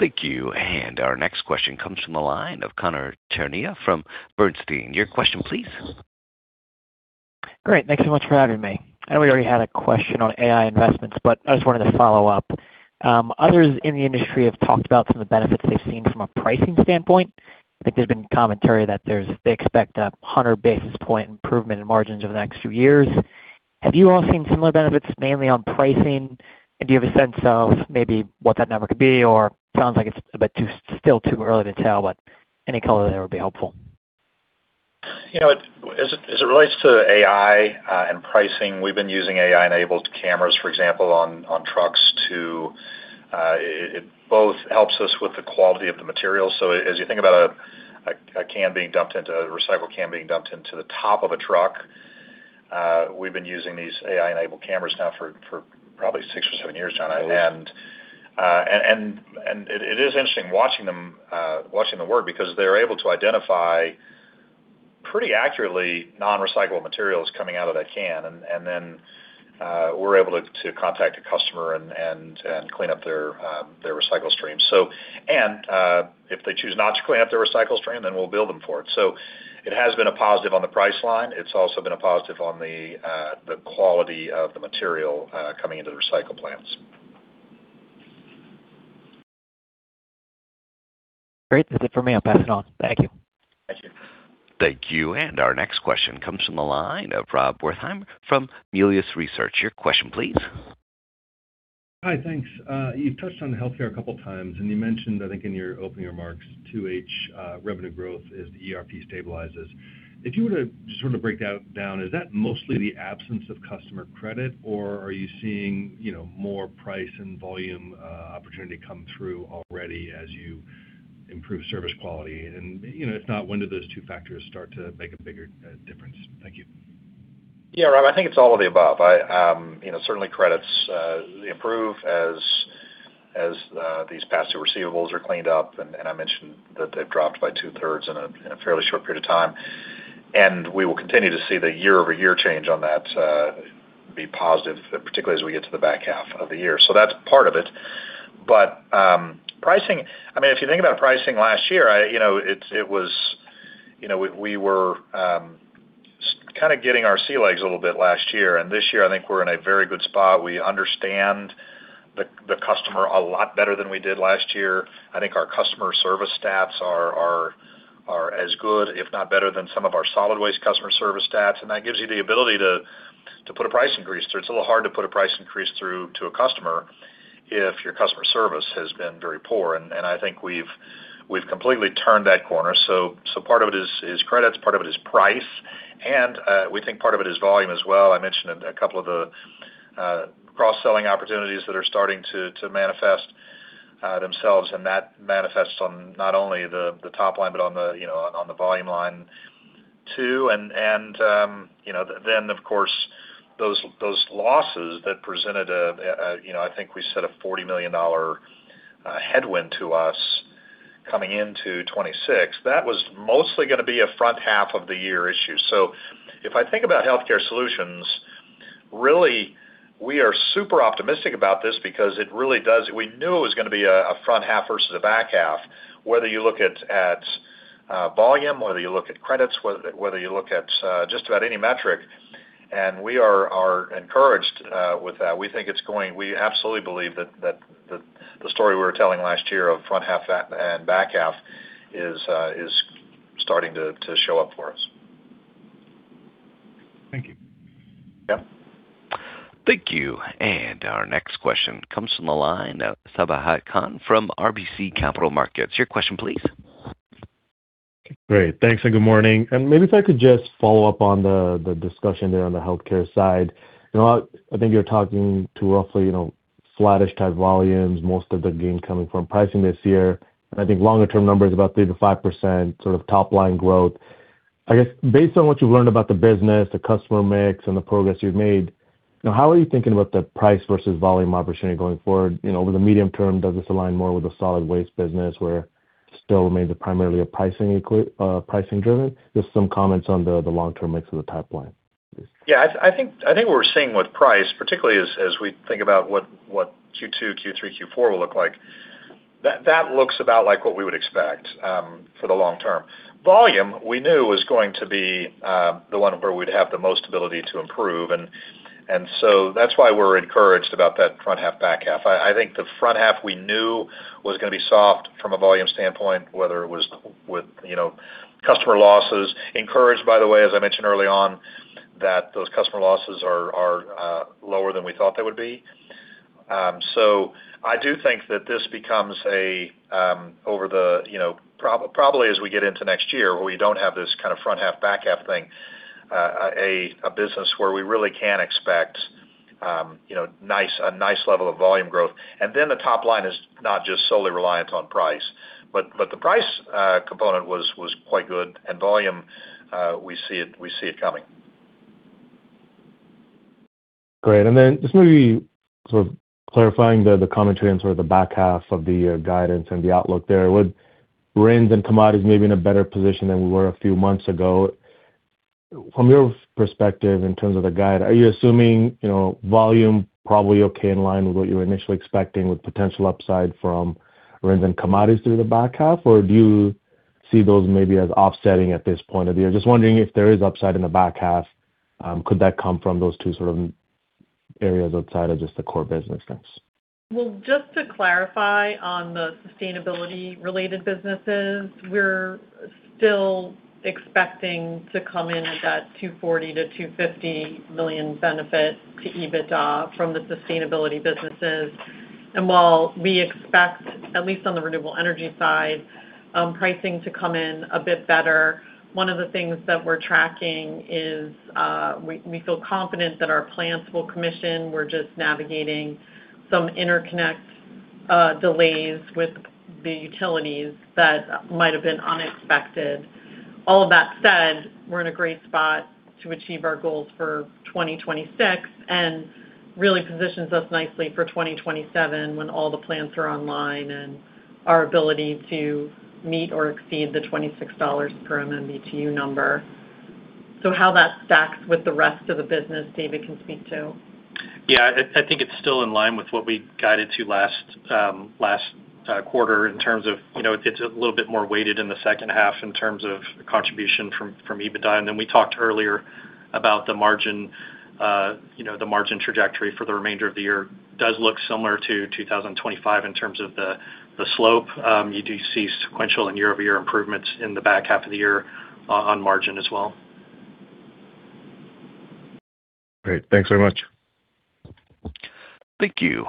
Thank you. Our next question comes from the line of Conor Ternaya from Bernstein. Your question please. Great. Thanks so much for having me. I know we already had a question on AI investments. I just wanted to follow up. Others in the industry have talked about some of the benefits they've seen from a pricing standpoint. I think there's been commentary that they expect 100 basis point improvement in margins over the next few years. Have you all seen similar benefits mainly on pricing? Do you have a sense of maybe what that number could be or sounds like it's a bit still too early to tell, but any color there would be helpful. You know, as it relates to AI and pricing, we've been using AI-enabled cameras, for example, on trucks to. It both helps us with the quality of the material. As you think about a can being dumped into a recycled can being dumped into the top of a truck, we've been using these AI-enabled cameras now for probably six or seven years, Conor. It is interesting watching them watching them work because they're able to identify pretty accurately non-recyclable materials coming out of that can. We're able to contact a customer and clean up their their recycle stream. If they choose not to clean up their recycle stream, we'll bill them for it. It has been a positive on the price line. It's also been a positive on the quality of the material coming into the recycle plants. Great. That's it for me. I'll pass it on. Thank you. Thank you. Thank you. Our next question comes from the line of Rob Wertheimer from Melius Research. Your question please. Hi. Thanks. You've touched on healthcare a couple times, and you mentioned, I think in your opening remarks, WM Healthcare revenue growth as the ERP stabilizes. If you were to sort of break that down, is that mostly the absence of customer credit, or are you seeing, you know, more price and volume opportunity come through already as you improve service quality? If not, when do those two factors start to make a bigger difference? Thank you. Yeah, Rob, I think it's all of the above. I, you know, certainly credits improve as these past due receivables are cleaned up. I mentioned that they've dropped by two-thirds in a fairly short period of time. We will continue to see the year-over-year change on that be positive, particularly as we get to the H2 of the year. That's part of it. Pricing. I mean, if you think about pricing last year, I, you know, it was, you know, we were kind of getting our sea legs a little bit last year. This year I think we're in a very good spot. We understand the customer a lot better than we did last year. I think our customer service stats are as good, if not better than some of our solid waste customer service stats. That gives you the ability to put a price increase through. It's a little hard to put a price increase through to a customer if your customer service has been very poor. I think we've completely turned that corner. Part of it is credits, part of it is price, and we think part of it is volume as well. I mentioned a couple of the cross-selling opportunities that are starting to manifest themselves. That manifests on not only the top line, but on the, you know, on the volume line too. Then of course, those losses that presented, I think we set a $40 million headwind to us coming into 2026. That was mostly going to be a H1 of the year issue. If I think about WM Healthcare Solutions, really, we are super optimistic about this because we knew it was going to be a H1 versus a H2, whether you look at volume, whether you look at credits, whether you look at just about any metric, and we are encouraged with that. We absolutely believe that the story we were telling last year of H1 at and H2 is starting to show up for us. Thank you. Yeah. Thank you. Our next question comes from the line of Sabahat Khan from RBC Capital Markets. Your question please. Great. Thanks, good morning. Maybe if I could just follow up on the discussion there on the healthcare side. You know, I think you're talking to roughly, you know, flattish type volumes, most of the gain coming from pricing this year. I think longer-term number is about 3%-5% sort of top line growth. I guess, based on what you've learned about the business, the customer mix, and the progress you've made, you know, how are you thinking about the price versus volume opportunity going forward? You know, over the medium term, does this align more with the solid waste business where it's still mainly primarily a pricing-driven? Just some comments on the long-term mix of the top line, please. Yeah, I think what we're seeing with price, particularly as we think about what Q2, Q3, Q4 will look like, that looks about like what we would expect for the long term. Volume, we knew was going to be the one where we'd have the most ability to improve. That's why we're encouraged about that H1, H2. I think the H1 we knew was going to be soft from a volume standpoint, whether it was with, you know, customer losses. Encouraged, by the way, as I mentioned early on, that those customer losses are lower than we thought they would be. I do think that this becomes a, over the, you know, probably as we get into next year, where we don't have this kind of H1, H2 thing, a business where we really can expect, you know, a nice level of volume growth. The top line is not just solely reliant on price. The price component was quite good. Volume, we see it coming. Great. Then just maybe sort of clarifying the commentary on sort of the H2 of the year guidance and the outlook there. With RINs and commodities maybe in a better position than we were a few months ago, from your perspective in terms of the guide, are you assuming, you know, volume probably okay in line with what you were initially expecting with potential upside from RINs and commodities through the H2? Do you see those maybe as offsetting at this point of the year? Just wondering if there is upside in the H2, could that come from those two sort of areas outside of just the core business mix? Just to clarify on the sustainability related businesses, we're still expecting to come in at that $240 million-$250 million benefit to EBITDA from the sustainability businesses. While we expect, at least on the renewable energy side, pricing to come in a bit better, one of the things that we're tracking is, we feel confident that our plants will commission. We're just navigating some interconnect delays with the utilities that might have been unexpected. All of that said, we're in a great spot to achieve our goals for 2026, and really positions us nicely for 2027 when all the plants are online and our ability to meet or exceed the $26 per MMBtu number. How that stacks with the rest of the business, David can speak to. Yeah, I think it's still in line with what we guided to last quarter in terms of, you know, it's a little bit more weighted in the H2 in terms of contribution from EBITDA. We talked earlier about the margin, you know, the margin trajectory for the remainder of the year does look similar to 2025 in terms of the slope. You do see sequential and year-over-year improvements in the H2 of the year on margin as well. Great. Thanks very much. Thank you.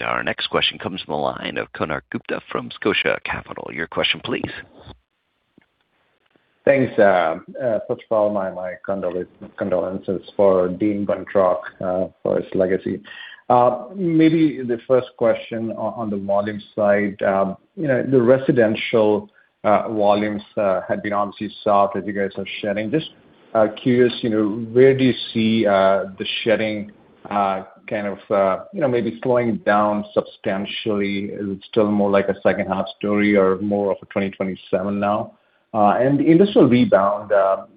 Our next question comes from the line of Konark Gupta from Scotia Capital. Your question, please. Thanks. First of all, my condolences for Dean Buntrock, for his legacy. Maybe the first question on the volume side. You know, the residential volumes had been obviously soft as you guys are sharing. Just curious, you know, where do you see the shedding kind of, you know, maybe slowing down substantially? Is it still more like a H2 story or more of a 2027 now? The initial rebound,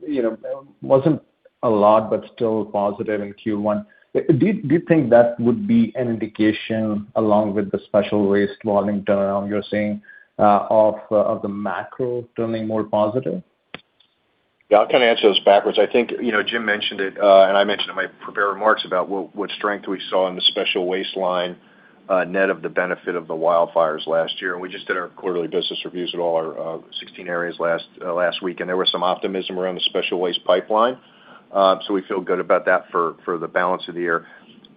you know, wasn't a lot, but still positive in Q1. Do you think that would be an indication along with the special waste volume turnaround you're seeing, of the macro turning more positive? Yeah, I'll kind of answer those backwards. I think, you know, Jim mentioned it, and I mentioned in my prepared remarks about what strength we saw in the special waste line, net of the benefit of the wildfires last year. We just did our quarterly business reviews at all our 16 areas last week, and there was some optimism around the special waste pipeline. So we feel good about that for the balance of the year.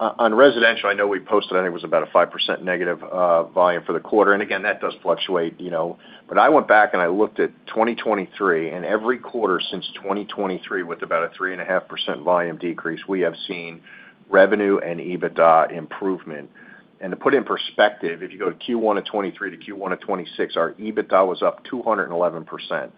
On residential, I know we posted, I think it was about a -5% volume for the quarter. Again, that does fluctuate, you know. I went back and I looked at 2023, and every quarter since 2023, with about a 3.5% volume decrease, we have seen revenue and EBITDA improvement. To put it in perspective, if you go to Q1 of 2023 to Q1 of 2026, our EBITDA was up 211%.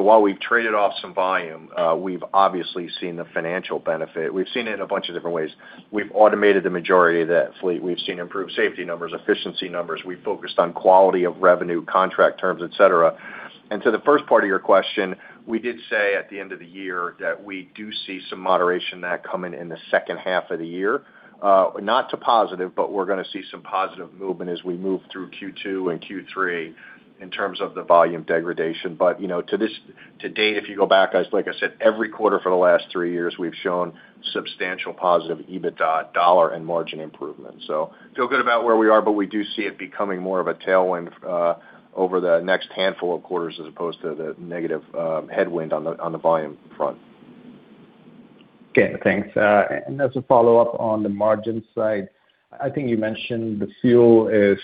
While we've traded off some volume, we've obviously seen the financial benefit. We've seen it in a bunch of different ways. We've automated the majority of that fleet. We've seen improved safety numbers, efficiency numbers. We've focused on quality of revenue, contract terms, et cetera. To the first part of your question, we did say at the end of the year that we do see some moderation of that coming in the H2 of the year. Not to positive, but we're going to see some positive movement as we move through Q2 and Q3 in terms of the volume degradation. You know, to date, if you go back, as, like I said, every quarter for the last three years, we've shown substantial positive EBITDA dollar and margin improvement. Feel good about where we are, but we do see it becoming more of a tailwind over the next handful of quarters as opposed to the negative headwind on the volume front. Okay, thanks. As a follow-up on the margin side, I think you mentioned the fuel is,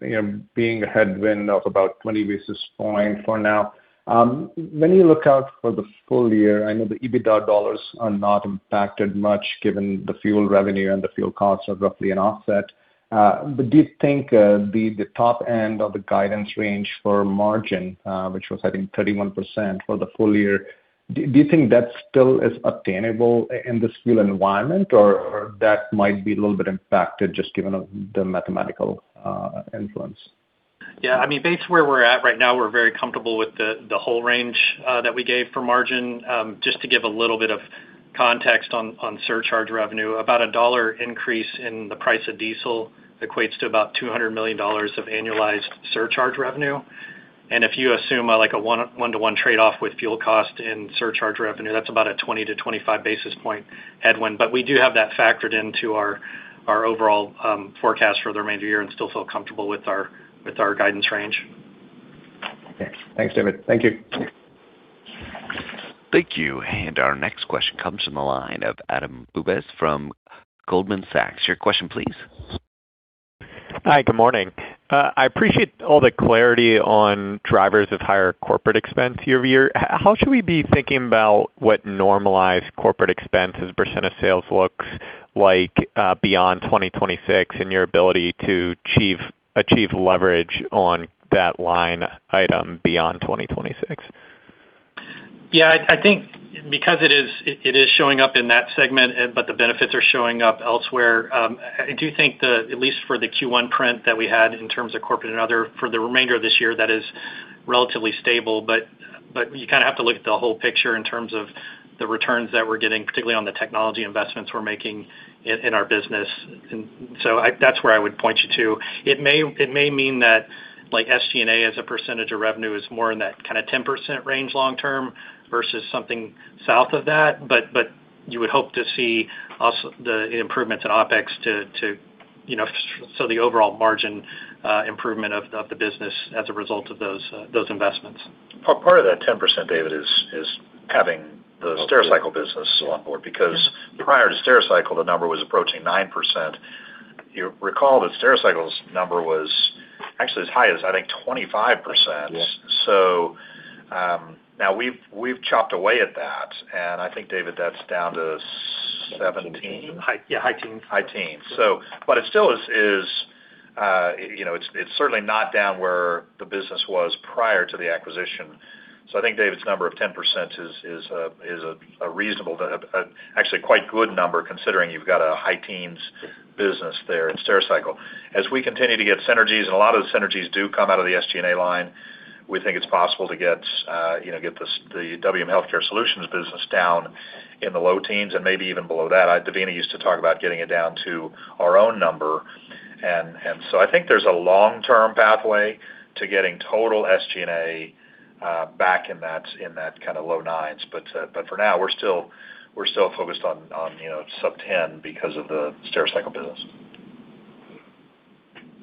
you know, being a headwind of about 20 basis points for now. When you look out for the full year, I know the EBITDA dollars are not impacted much given the fuel revenue and the fuel costs are roughly an offset. Do you think the top end of the guidance range for margin, which was, I think, 31% for the full year, do you think that still is obtainable in this fuel environment or that might be a little bit impacted just given the mathematical influence? Yeah, I mean, based where we're at right now, we're very comfortable with the whole range that we gave for margin. Just to give a little bit of context on surcharge revenue, about a $1 increase in the price of diesel equates to about $200 million of annualized surcharge revenue. If you assume like a one-one trade-off with fuel cost and surcharge revenue, that's about a 20-25 basis point headwind. We do have that factored into our overall forecast for the remainder of the year and still feel comfortable with our guidance range. Thanks. Thanks, David. Thank you. Thank you. Our next question comes from the line of Adam Bubes from Goldman Sachs. Your question, please. Hi, good morning. I appreciate all the clarity on drivers of higher corporate expense year-over-year. How should we be thinking about what normalized corporate expense as a percent of sales looks like beyond 2026 and your ability to achieve leverage on that line item beyond 2026? Yeah, I think because it is, it is showing up in that segment, but the benefits are showing up elsewhere, I do think at least for the Q1 print that we had in terms of corporate and other, for the remainder of this year, that is relatively stable. You kind of have to look at the whole picture in terms of the returns that we're getting, particularly on the technology investments we're making in our business. So that's where I would point you to. It may, it may mean that like SG&A, as a percentage of revenue, is more in that kind of 10% range long term versus something south of that. You would hope to see also the improvements in OpEx to, you know, so the overall margin, improvement of the business as a result of those investments. Part of that 10%, David, is having the Stericycle business on board. Because prior to Stericycle, the number was approaching 9%. You recall that Stericycle's number was actually as high as, I think, 25%. Yeah. Now we've chopped away at that, and I think, David, that's down to 17. Yeah, high teens. High teens. But it still is, you know, it's certainly not down where the business was prior to the acquisition. I think David's number of 10% is a reasonable to actually quite good number considering you've got a high teens business there in Stericycle. As we continue to get synergies, and a lot of the synergies do come out of the SG&A line, we think it's possible to get, you know, get the WM Healthcare Solutions business down in the low teens and maybe even below that. Devina used to talk about getting it down to our own number. I think there's a long-term pathway to getting total SG&A back in that kind of low nines. For now, we're still focused on, you know, sub 10 because of the Stericycle business.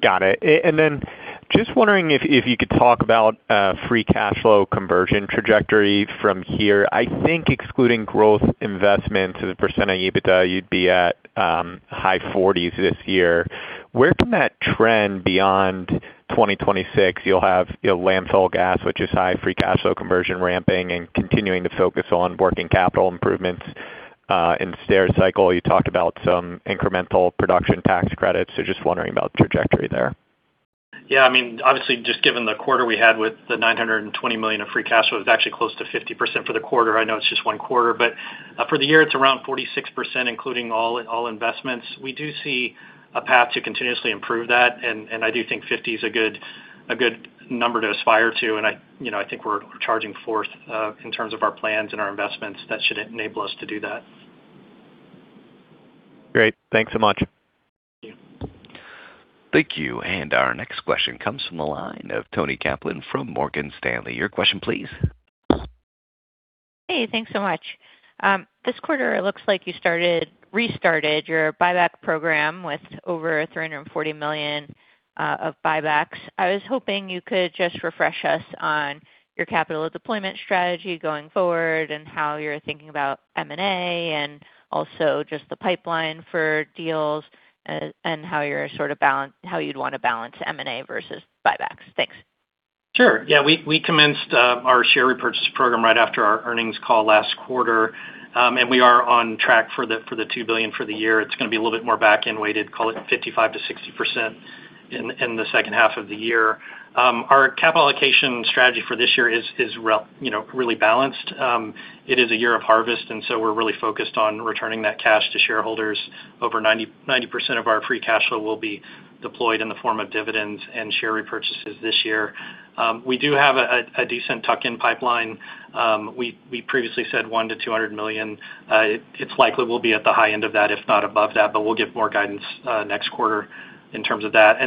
Got it. Then just wondering if you could talk about free cash flow conversion trajectory from here. I think excluding growth investment as a percent of EBITDA, you'd be at high 40s this year. Where can that trend beyond 2026? You'll have, you know, landfill gas, which is high free cash flow conversion ramping and continuing to focus on working capital improvements. In Stericycle, you talked about some incremental production tax credits, so just wondering about trajectory there. Yeah, I mean, obviously, just given the quarter we had with the $920 million of free cash flow, it was actually close to 50% for the quarter. I know it's just one quarter, but for the year, it's around 46%, including all investments. We do see a path to continuously improve that, and I do think 50 is a good number to aspire to. I, you know, I think we're charging forth in terms of our plans and our investments that should enable us to do that. Great. Thanks so much. Thank you. Thank you. Our next question comes from the line of Toni Kaplan from Morgan Stanley. Your question, please. Hey, thanks so much. This quarter, it looks like you restarted your buyback program with over $340 million of buybacks. I was hoping you could just refresh us on your capital deployment strategy going forward and how you're thinking about M&A and also just the pipeline for deals, and how you'd want to balance M&A versus buybacks. Thanks. Sure. Yeah, we commenced our share repurchase program right after our earnings call last quarter. We are on track for the 2 billion for the year. It's going to be a little bit more back-end weighted, call it 55%-60% in the H2 of the year. Our capital allocation strategy for this year is, you know, really balanced. It is a year of harvest, we're really focused on returning that cash to shareholders. Over 90% of our free cash flow will be deployed in the form of dividends and share repurchases this year. We do have a decent tuck-in pipeline. We previously said $100 million-$200 million. It's likely we'll be at the high end of that, if not above that, but we'll give more guidance next quarter in terms of that.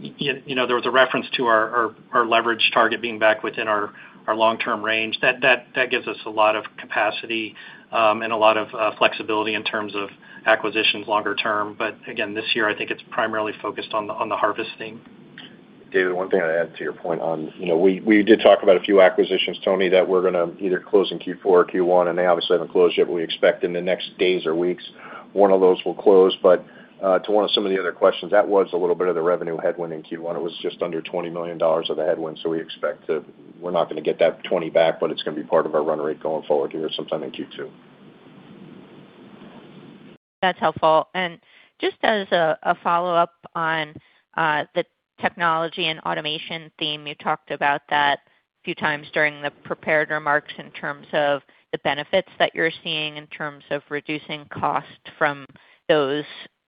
You know, there was a reference to our leverage target being back within our long-term range. That gives us a lot of capacity and a lot of flexibility in terms of acquisitions longer term. Again, this year, I think it's primarily focused on the harvesting. David, one thing I'd add to your point on, you know, we did talk about a few acquisitions, Toni, that we're going to either close in Q4 or Q1, and they obviously haven't closed yet, but we expect in the next days or weeks one of those will close. To one of some of the other questions, that was a little bit of the revenue headwind in Q1. It was just under $20 million of the headwind, so we're not going to get that $20 back, but it's going to be part of our run rate going forward here sometime in Q2. That's helpful. Just as a follow-up on the technology and automation theme, you talked about that a few times during the prepared remarks in terms of the benefits that you're seeing in terms of reducing cost from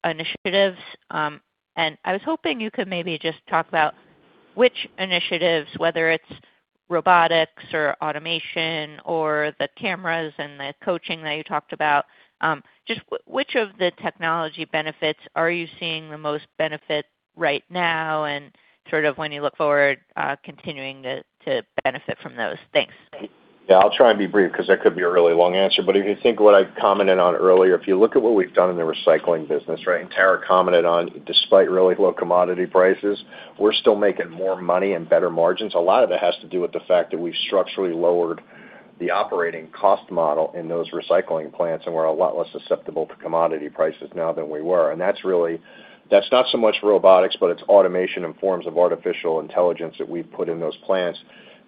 those initiatives. I was hoping you could maybe just talk about which initiatives, whether it's robotics or automation or the cameras and the coaching that you talked about, just which of the technology benefits are you seeing the most benefit right now and sort of when you look forward, continuing to benefit from those? Thanks. Yeah, I'll try and be brief because that could be a really long answer. If you think what I've commented on earlier, if you look at what we've done in the recycling business, right? Tara commented on despite really low commodity prices, we're still making more money and better margins. A lot of it has to do with the fact that we've structurally lowered the operating cost model in those recycling plants, and we're a lot less susceptible to commodity prices now than we were. That's not so much robotics, but it's automation and forms of artificial intelligence that we've put in those plants.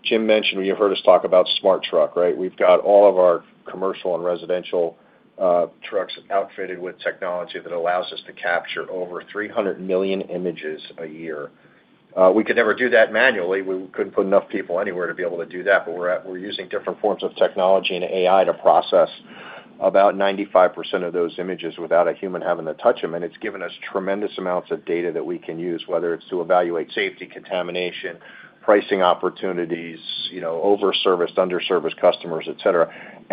Jim mentioned, you've heard us talk about WM Smart Truck, right? We've got all of our commercial and residential trucks outfitted with technology that allows us to capture over 300 million images a year. We could never do that manually. We couldn't put enough people anywhere to be able to do that, but we're using different forms of technology and AI to process about 95% of those images without a human having to touch them, and it's given us tremendous amounts of data that we can use, whether it's to evaluate safety, contamination, pricing opportunities, you know, over-serviced, under-serviced customers, et cetera.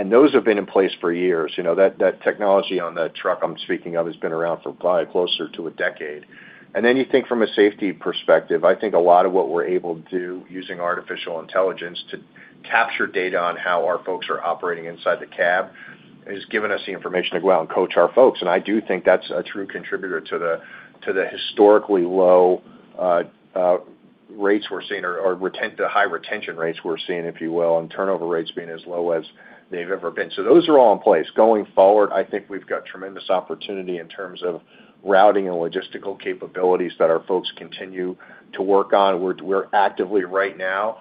Those have been in place for years, you know. That technology on the truck I'm speaking of has been around for probably closer to a decade. Then you think from a safety perspective, I think a lot of what we're able to do using artificial intelligence to capture data on how our folks are operating inside the cab has given us the information to go out and coach our folks. I do think that's a true contributor to the historically low rates we're seeing or the high retention rates we're seeing, if you will, and turnover rates being as low as they've ever been. Those are all in place. Going forward, I think we've got tremendous opportunity in terms of routing and logistical capabilities that our folks continue to work on. We're actively right now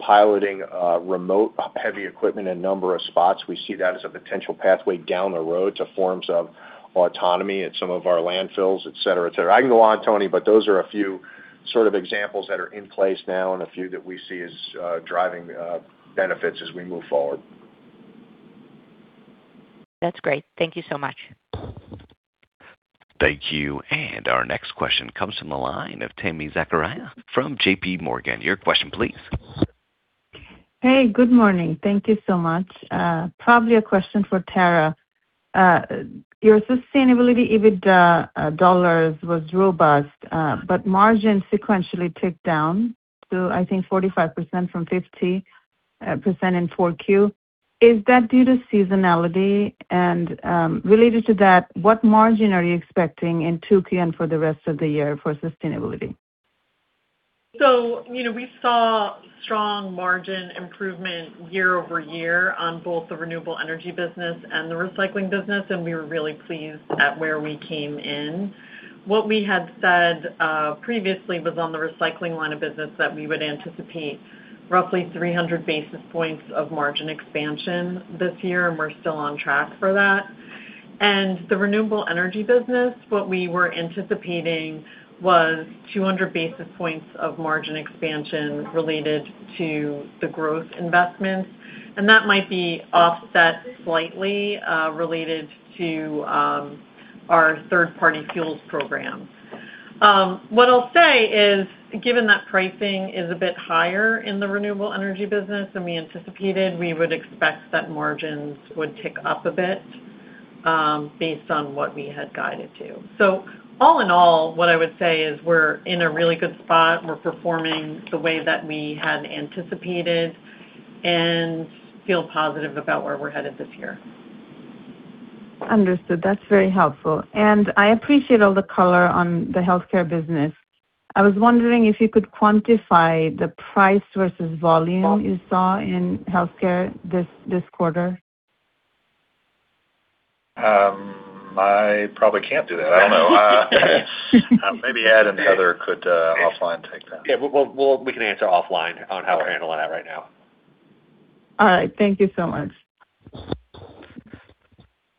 piloting remote heavy equipment in a number of spots. We see that as a potential pathway down the road to forms of autonomy at some of our landfills, et cetera, et cetera. I can go on, Toni. Those are a few sort of examples that are in place now and a few that we see as driving benefits as we move forward. That's great. Thank you so much. Thank you. Our next question comes from the line of Tami Zakaria from JP Morgan. Your question please. Hey, good morning. Thank you so much. Probably a question for Tara. Your sustainability EBITDA dollars was robust, but margin sequentially ticked down to, I think, 45% from 50% in 4Q. Is that due to seasonality? Related to that, what margin are you expecting in 2Q and for the rest of the year for sustainability? You know, we saw strong margin improvement year-over-year on both the Renewable Energy business and the Recycling business, and we were really pleased at where we came in. What we had said previously was on the Recycling line of business that we would anticipate roughly 300 basis points of margin expansion this year, and we're still on track for that. The Renewable Energy business, what we were anticipating was 200 basis points of margin expansion related to the growth investments, and that might be offset slightly related to our third-party fuels program. What I'll say is, given that pricing is a bit higher in the Renewable Energy business than we anticipated, we would expect that margins would tick up a bit based on what we had guided to. All in all, what I would say is we're in a really good spot. We're performing the way that we had anticipated and feel positive about where we're headed this year. Understood. That's very helpful. I appreciate all the color on the healthcare business. I was wondering if you could quantify the price versus volume you saw in healthcare this quarter. I probably can't do that. I don't know. Maybe Ed and Heather could, offline take that. Yeah. We can answer offline on how we're handling that right now. All right. Thank you so much.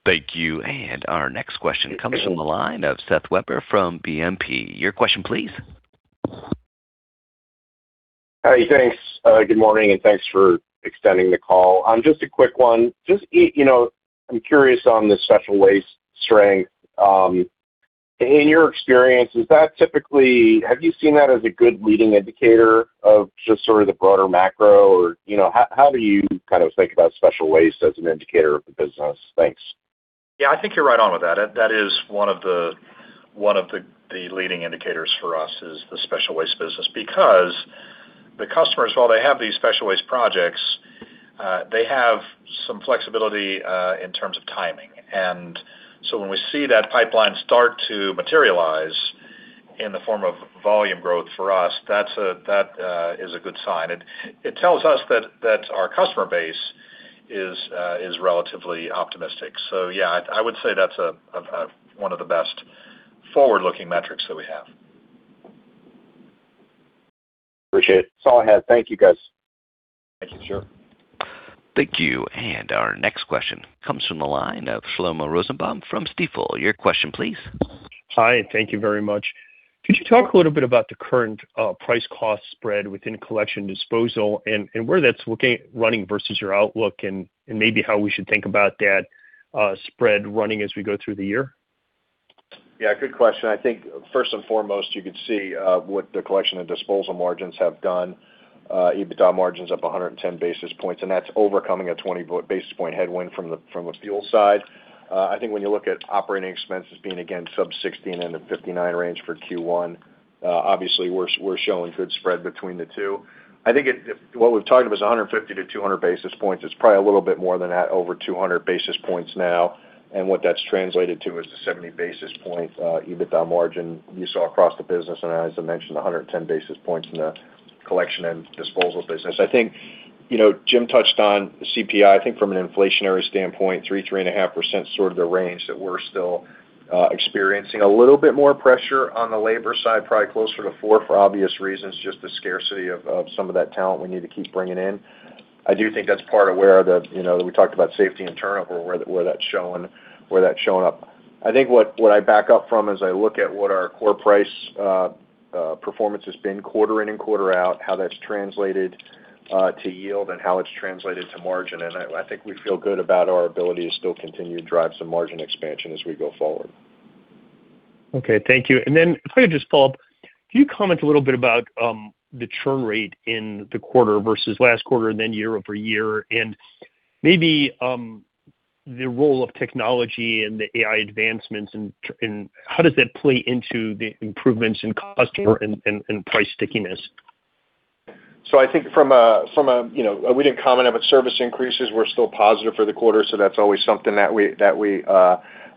Thank you. Our next question comes from the line of Seth Weber from BNP. Your question please. Hi. Thanks. Good morning. Thanks for extending the call. Just a quick one. Just, you know, I'm curious on the special waste strength. In your experience, is that typically, have you seen that as a good leading indicator of just sort of the broader macro? You know, how do you kind of think about special waste as an indicator of the business? Thanks. Yeah, I think you're right on with that. That is one of the leading indicators for us is the special waste business because the customers, while they have these special waste projects. They have some flexibility in terms of timing. When we see that pipeline start to materialize in the form of volume growth for us, that is a good sign. It tells us that our customer base is relatively optimistic. Yeah, I would say that's a one of the best forward-looking metrics that we have. Appreciate it. That's all I had. Thank you, guys. Thank you, sir. Thank you. Our next question comes from the line of Shlomo Rosenbaum from Stifel. Your question please. Hi, thank you very much. Could you talk a little bit about the current price cost spread within collection disposal and where that's looking, running versus your outlook and maybe how we should think about that spread running as we go through the year? Yeah, good question. I think first and foremost, you could see what the collection and disposal margins have done. EBITDA margin's up 110 basis points, and that's overcoming a 20 basis point headwind from the fuel side. I think when you look at operating expenses being again sub-16 in the 59 range for Q1, obviously we're showing good spread between the two. What we've talked about is 150-200 basis points. It's probably a little bit more than that, over 200 basis points now. What that's translated to is the 70 basis points EBITDA margin you saw across the business, and as I mentioned, 110 basis points in the collection and disposal business. I think, you know, Jim touched on CPI. I think from an inflationary standpoint, 3%, 3.5% is sort of the range that we're still experiencing. A little bit more pressure on the labour side, probably closer to 4% for obvious reasons, just the scarcity of some of that talent we need to keep bringing in. I do think that's part of where the, you know, we talked about safety and turnover, where that's showing up. I think what I back up from is I look at what our core price performance has been quarter-in and quarter-out, how that's translated to yield and how it's translated to margin. I think we feel good about our ability to still continue to drive some margin expansion as we go forward. Okay. Thank you. Then if I could just follow up, can you comment a little bit about the churn rate in the quarter versus last quarter and then year-over-year, and maybe the role of technology and the AI advancements and how does that play into the improvements in customer and price stickiness? I think from a, you know, we didn't comment on but service increases were still positive for the quarter, that's always something that we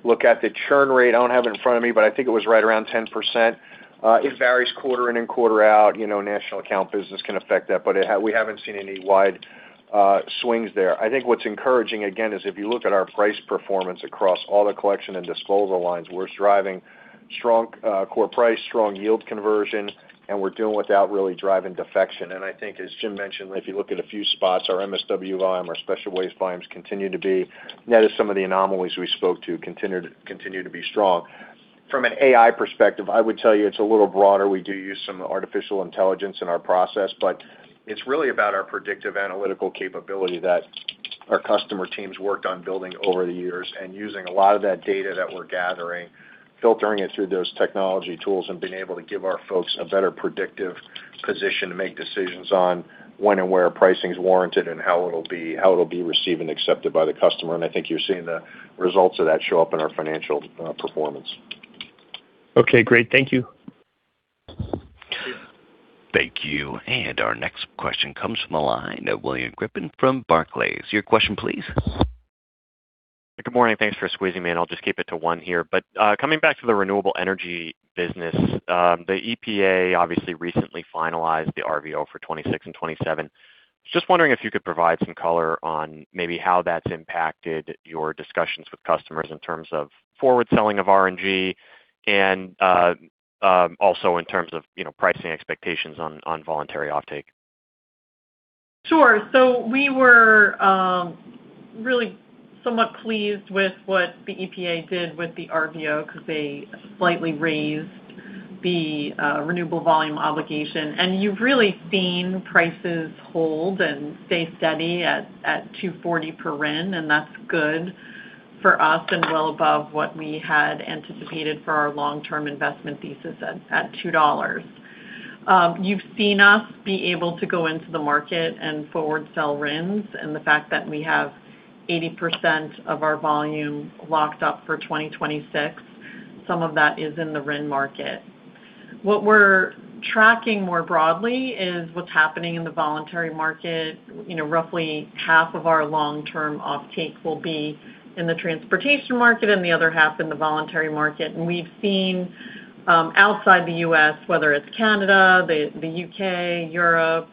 look at. The churn rate, I don't have it in front of me, but I think it was right around 10%. It varies quarter-in and quarter-out. You know, national account business can affect that, but we haven't seen any wide swings there. I think what's encouraging again is if you look at our price performance across all the collection and disposal lines, we're driving strong core price, strong yield conversion, and we're doing without really driving defection. I think as Jim mentioned, if you look at a few spots, our MSW volume, our special waste volumes. That is some of the anomalies we spoke to, continue to be strong. From an AI perspective, I would tell you it's a little broader. We do use some artificial intelligence in our process, but it's really about our predictive analytical capability that our customer teams worked on building over the years and using a lot of that data that we're gathering, filtering it through those technology tools and being able to give our folks a better predictive position to make decisions on when and where pricing's warranted and how it'll be received and accepted by the customer. I think you're seeing the results of that show up in our financial performance. Okay, great. Thank you. Thank you. Our next question comes from the line of William Griffin from Barclays. Your question please. Good morning. Thanks for squeezing me in. I'll just keep it to one here. Coming back to the renewable energy business, the EPA obviously recently finalized the RVO for 2026 and 2027. Just wondering if you could provide some color on maybe how that's impacted your discussions with customers in terms of forward selling of RNG and also in terms of, you know, pricing expectations on voluntary offtake. Sure. We were really somewhat pleased with what the EPA did with the RVO because they slightly raised the renewable volume obligation. You've really seen prices hold and stay steady at $2.40 per RIN, and that's good for us and well above what we had anticipated for our long-term investment thesis at $2. You've seen us be able to go into the market and forward sell RINs, and the fact that we have 80% of our volume locked up for 2026, some of that is in the RIN market. What we're tracking more broadly is what's happening in the voluntary market. You know, roughly half of our long-term offtake will be in the transportation market and the other half in the voluntary market. We've seen outside the U.S., whether it's Canada, the U.K., Europe,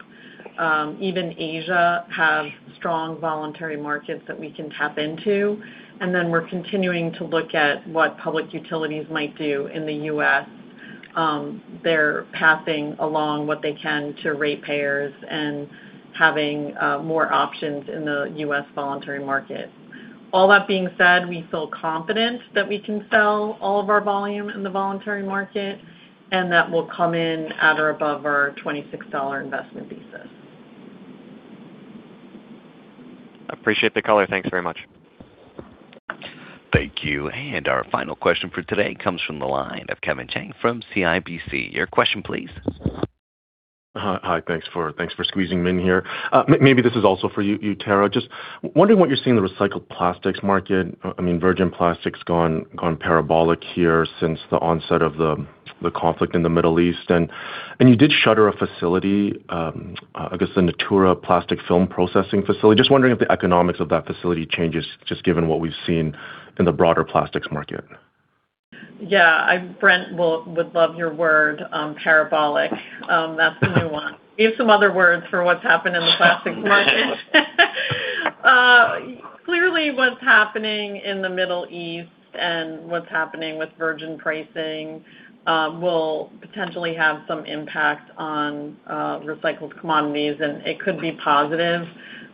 even Asia, have strong voluntary markets that we can tap into. We're continuing to look at what public utilities might do in the U.S. They're passing along what they can to ratepayers and having more options in the U.S. voluntary market. All that being said, we feel confident that we can sell all of our volume in the voluntary market, and that will come in at or above our $26 investment thesis. Appreciate the color. Thanks very much. Thank you. Our final question for today comes from the line of Kevin Chiang from CIBC. Your question please. Hi. Thanks for squeezing me in here. Maybe this is also for you, Tara. Just wondering what you see in the recycled plastics market. I mean, virgin plastic's gone parabolic here since the onset of the conflict in the Middle East. You did shutter a facility, I guess the Natura plastic film processing facility. Just wondering if the economics of that facility changes just given what we've seen in the broader plastics market. Yeah. Brent would love your word, parabolic. That's the new one. We have some other words for what's happened in the plastics market. Clearly what's happening in the Middle East and what's happening with virgin pricing will potentially have some impact on recycled commodities, and it could be positive.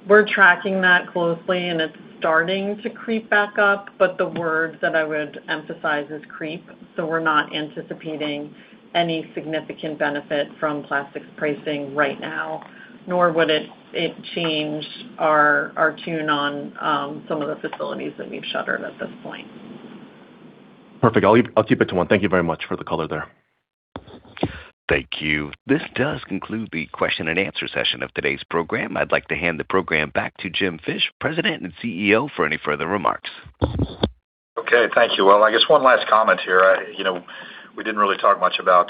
We're tracking that closely, and it's starting to creep back up, but the words that I would emphasize is creep, so we're not anticipating any significant benefit from plastics pricing right now, nor would it change our tune on some of the facilities that we've shuttered at this point. Perfect. I'll keep it to one. Thank you very much for the color there. Thank you. This does conclude the question and answer session of today's program. I'd like to hand the program back to Jim Fish, President and CEO, for any further remarks. Okay. Thank you. Well, I guess one last comment here. You know, we didn't really talk much about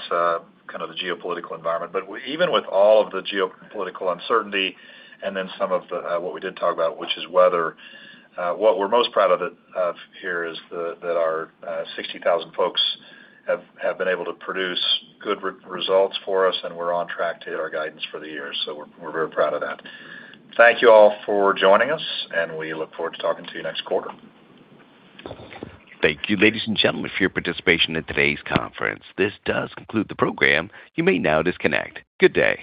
kind of the geopolitical environment. Even with all of the geopolitical uncertainty and then some of the what we did talk about, which is weather, what we're most proud of here is that our 60,000 folks have been able to produce good results for us, and we're on track to hit our guidance for the year. We're very proud of that. Thank you all for joining us, and we look forward to talking to you next quarter. Thank you, ladies and gentlemen, for your participation in today's conference. This does conclude the program. You may now disconnect. Good day.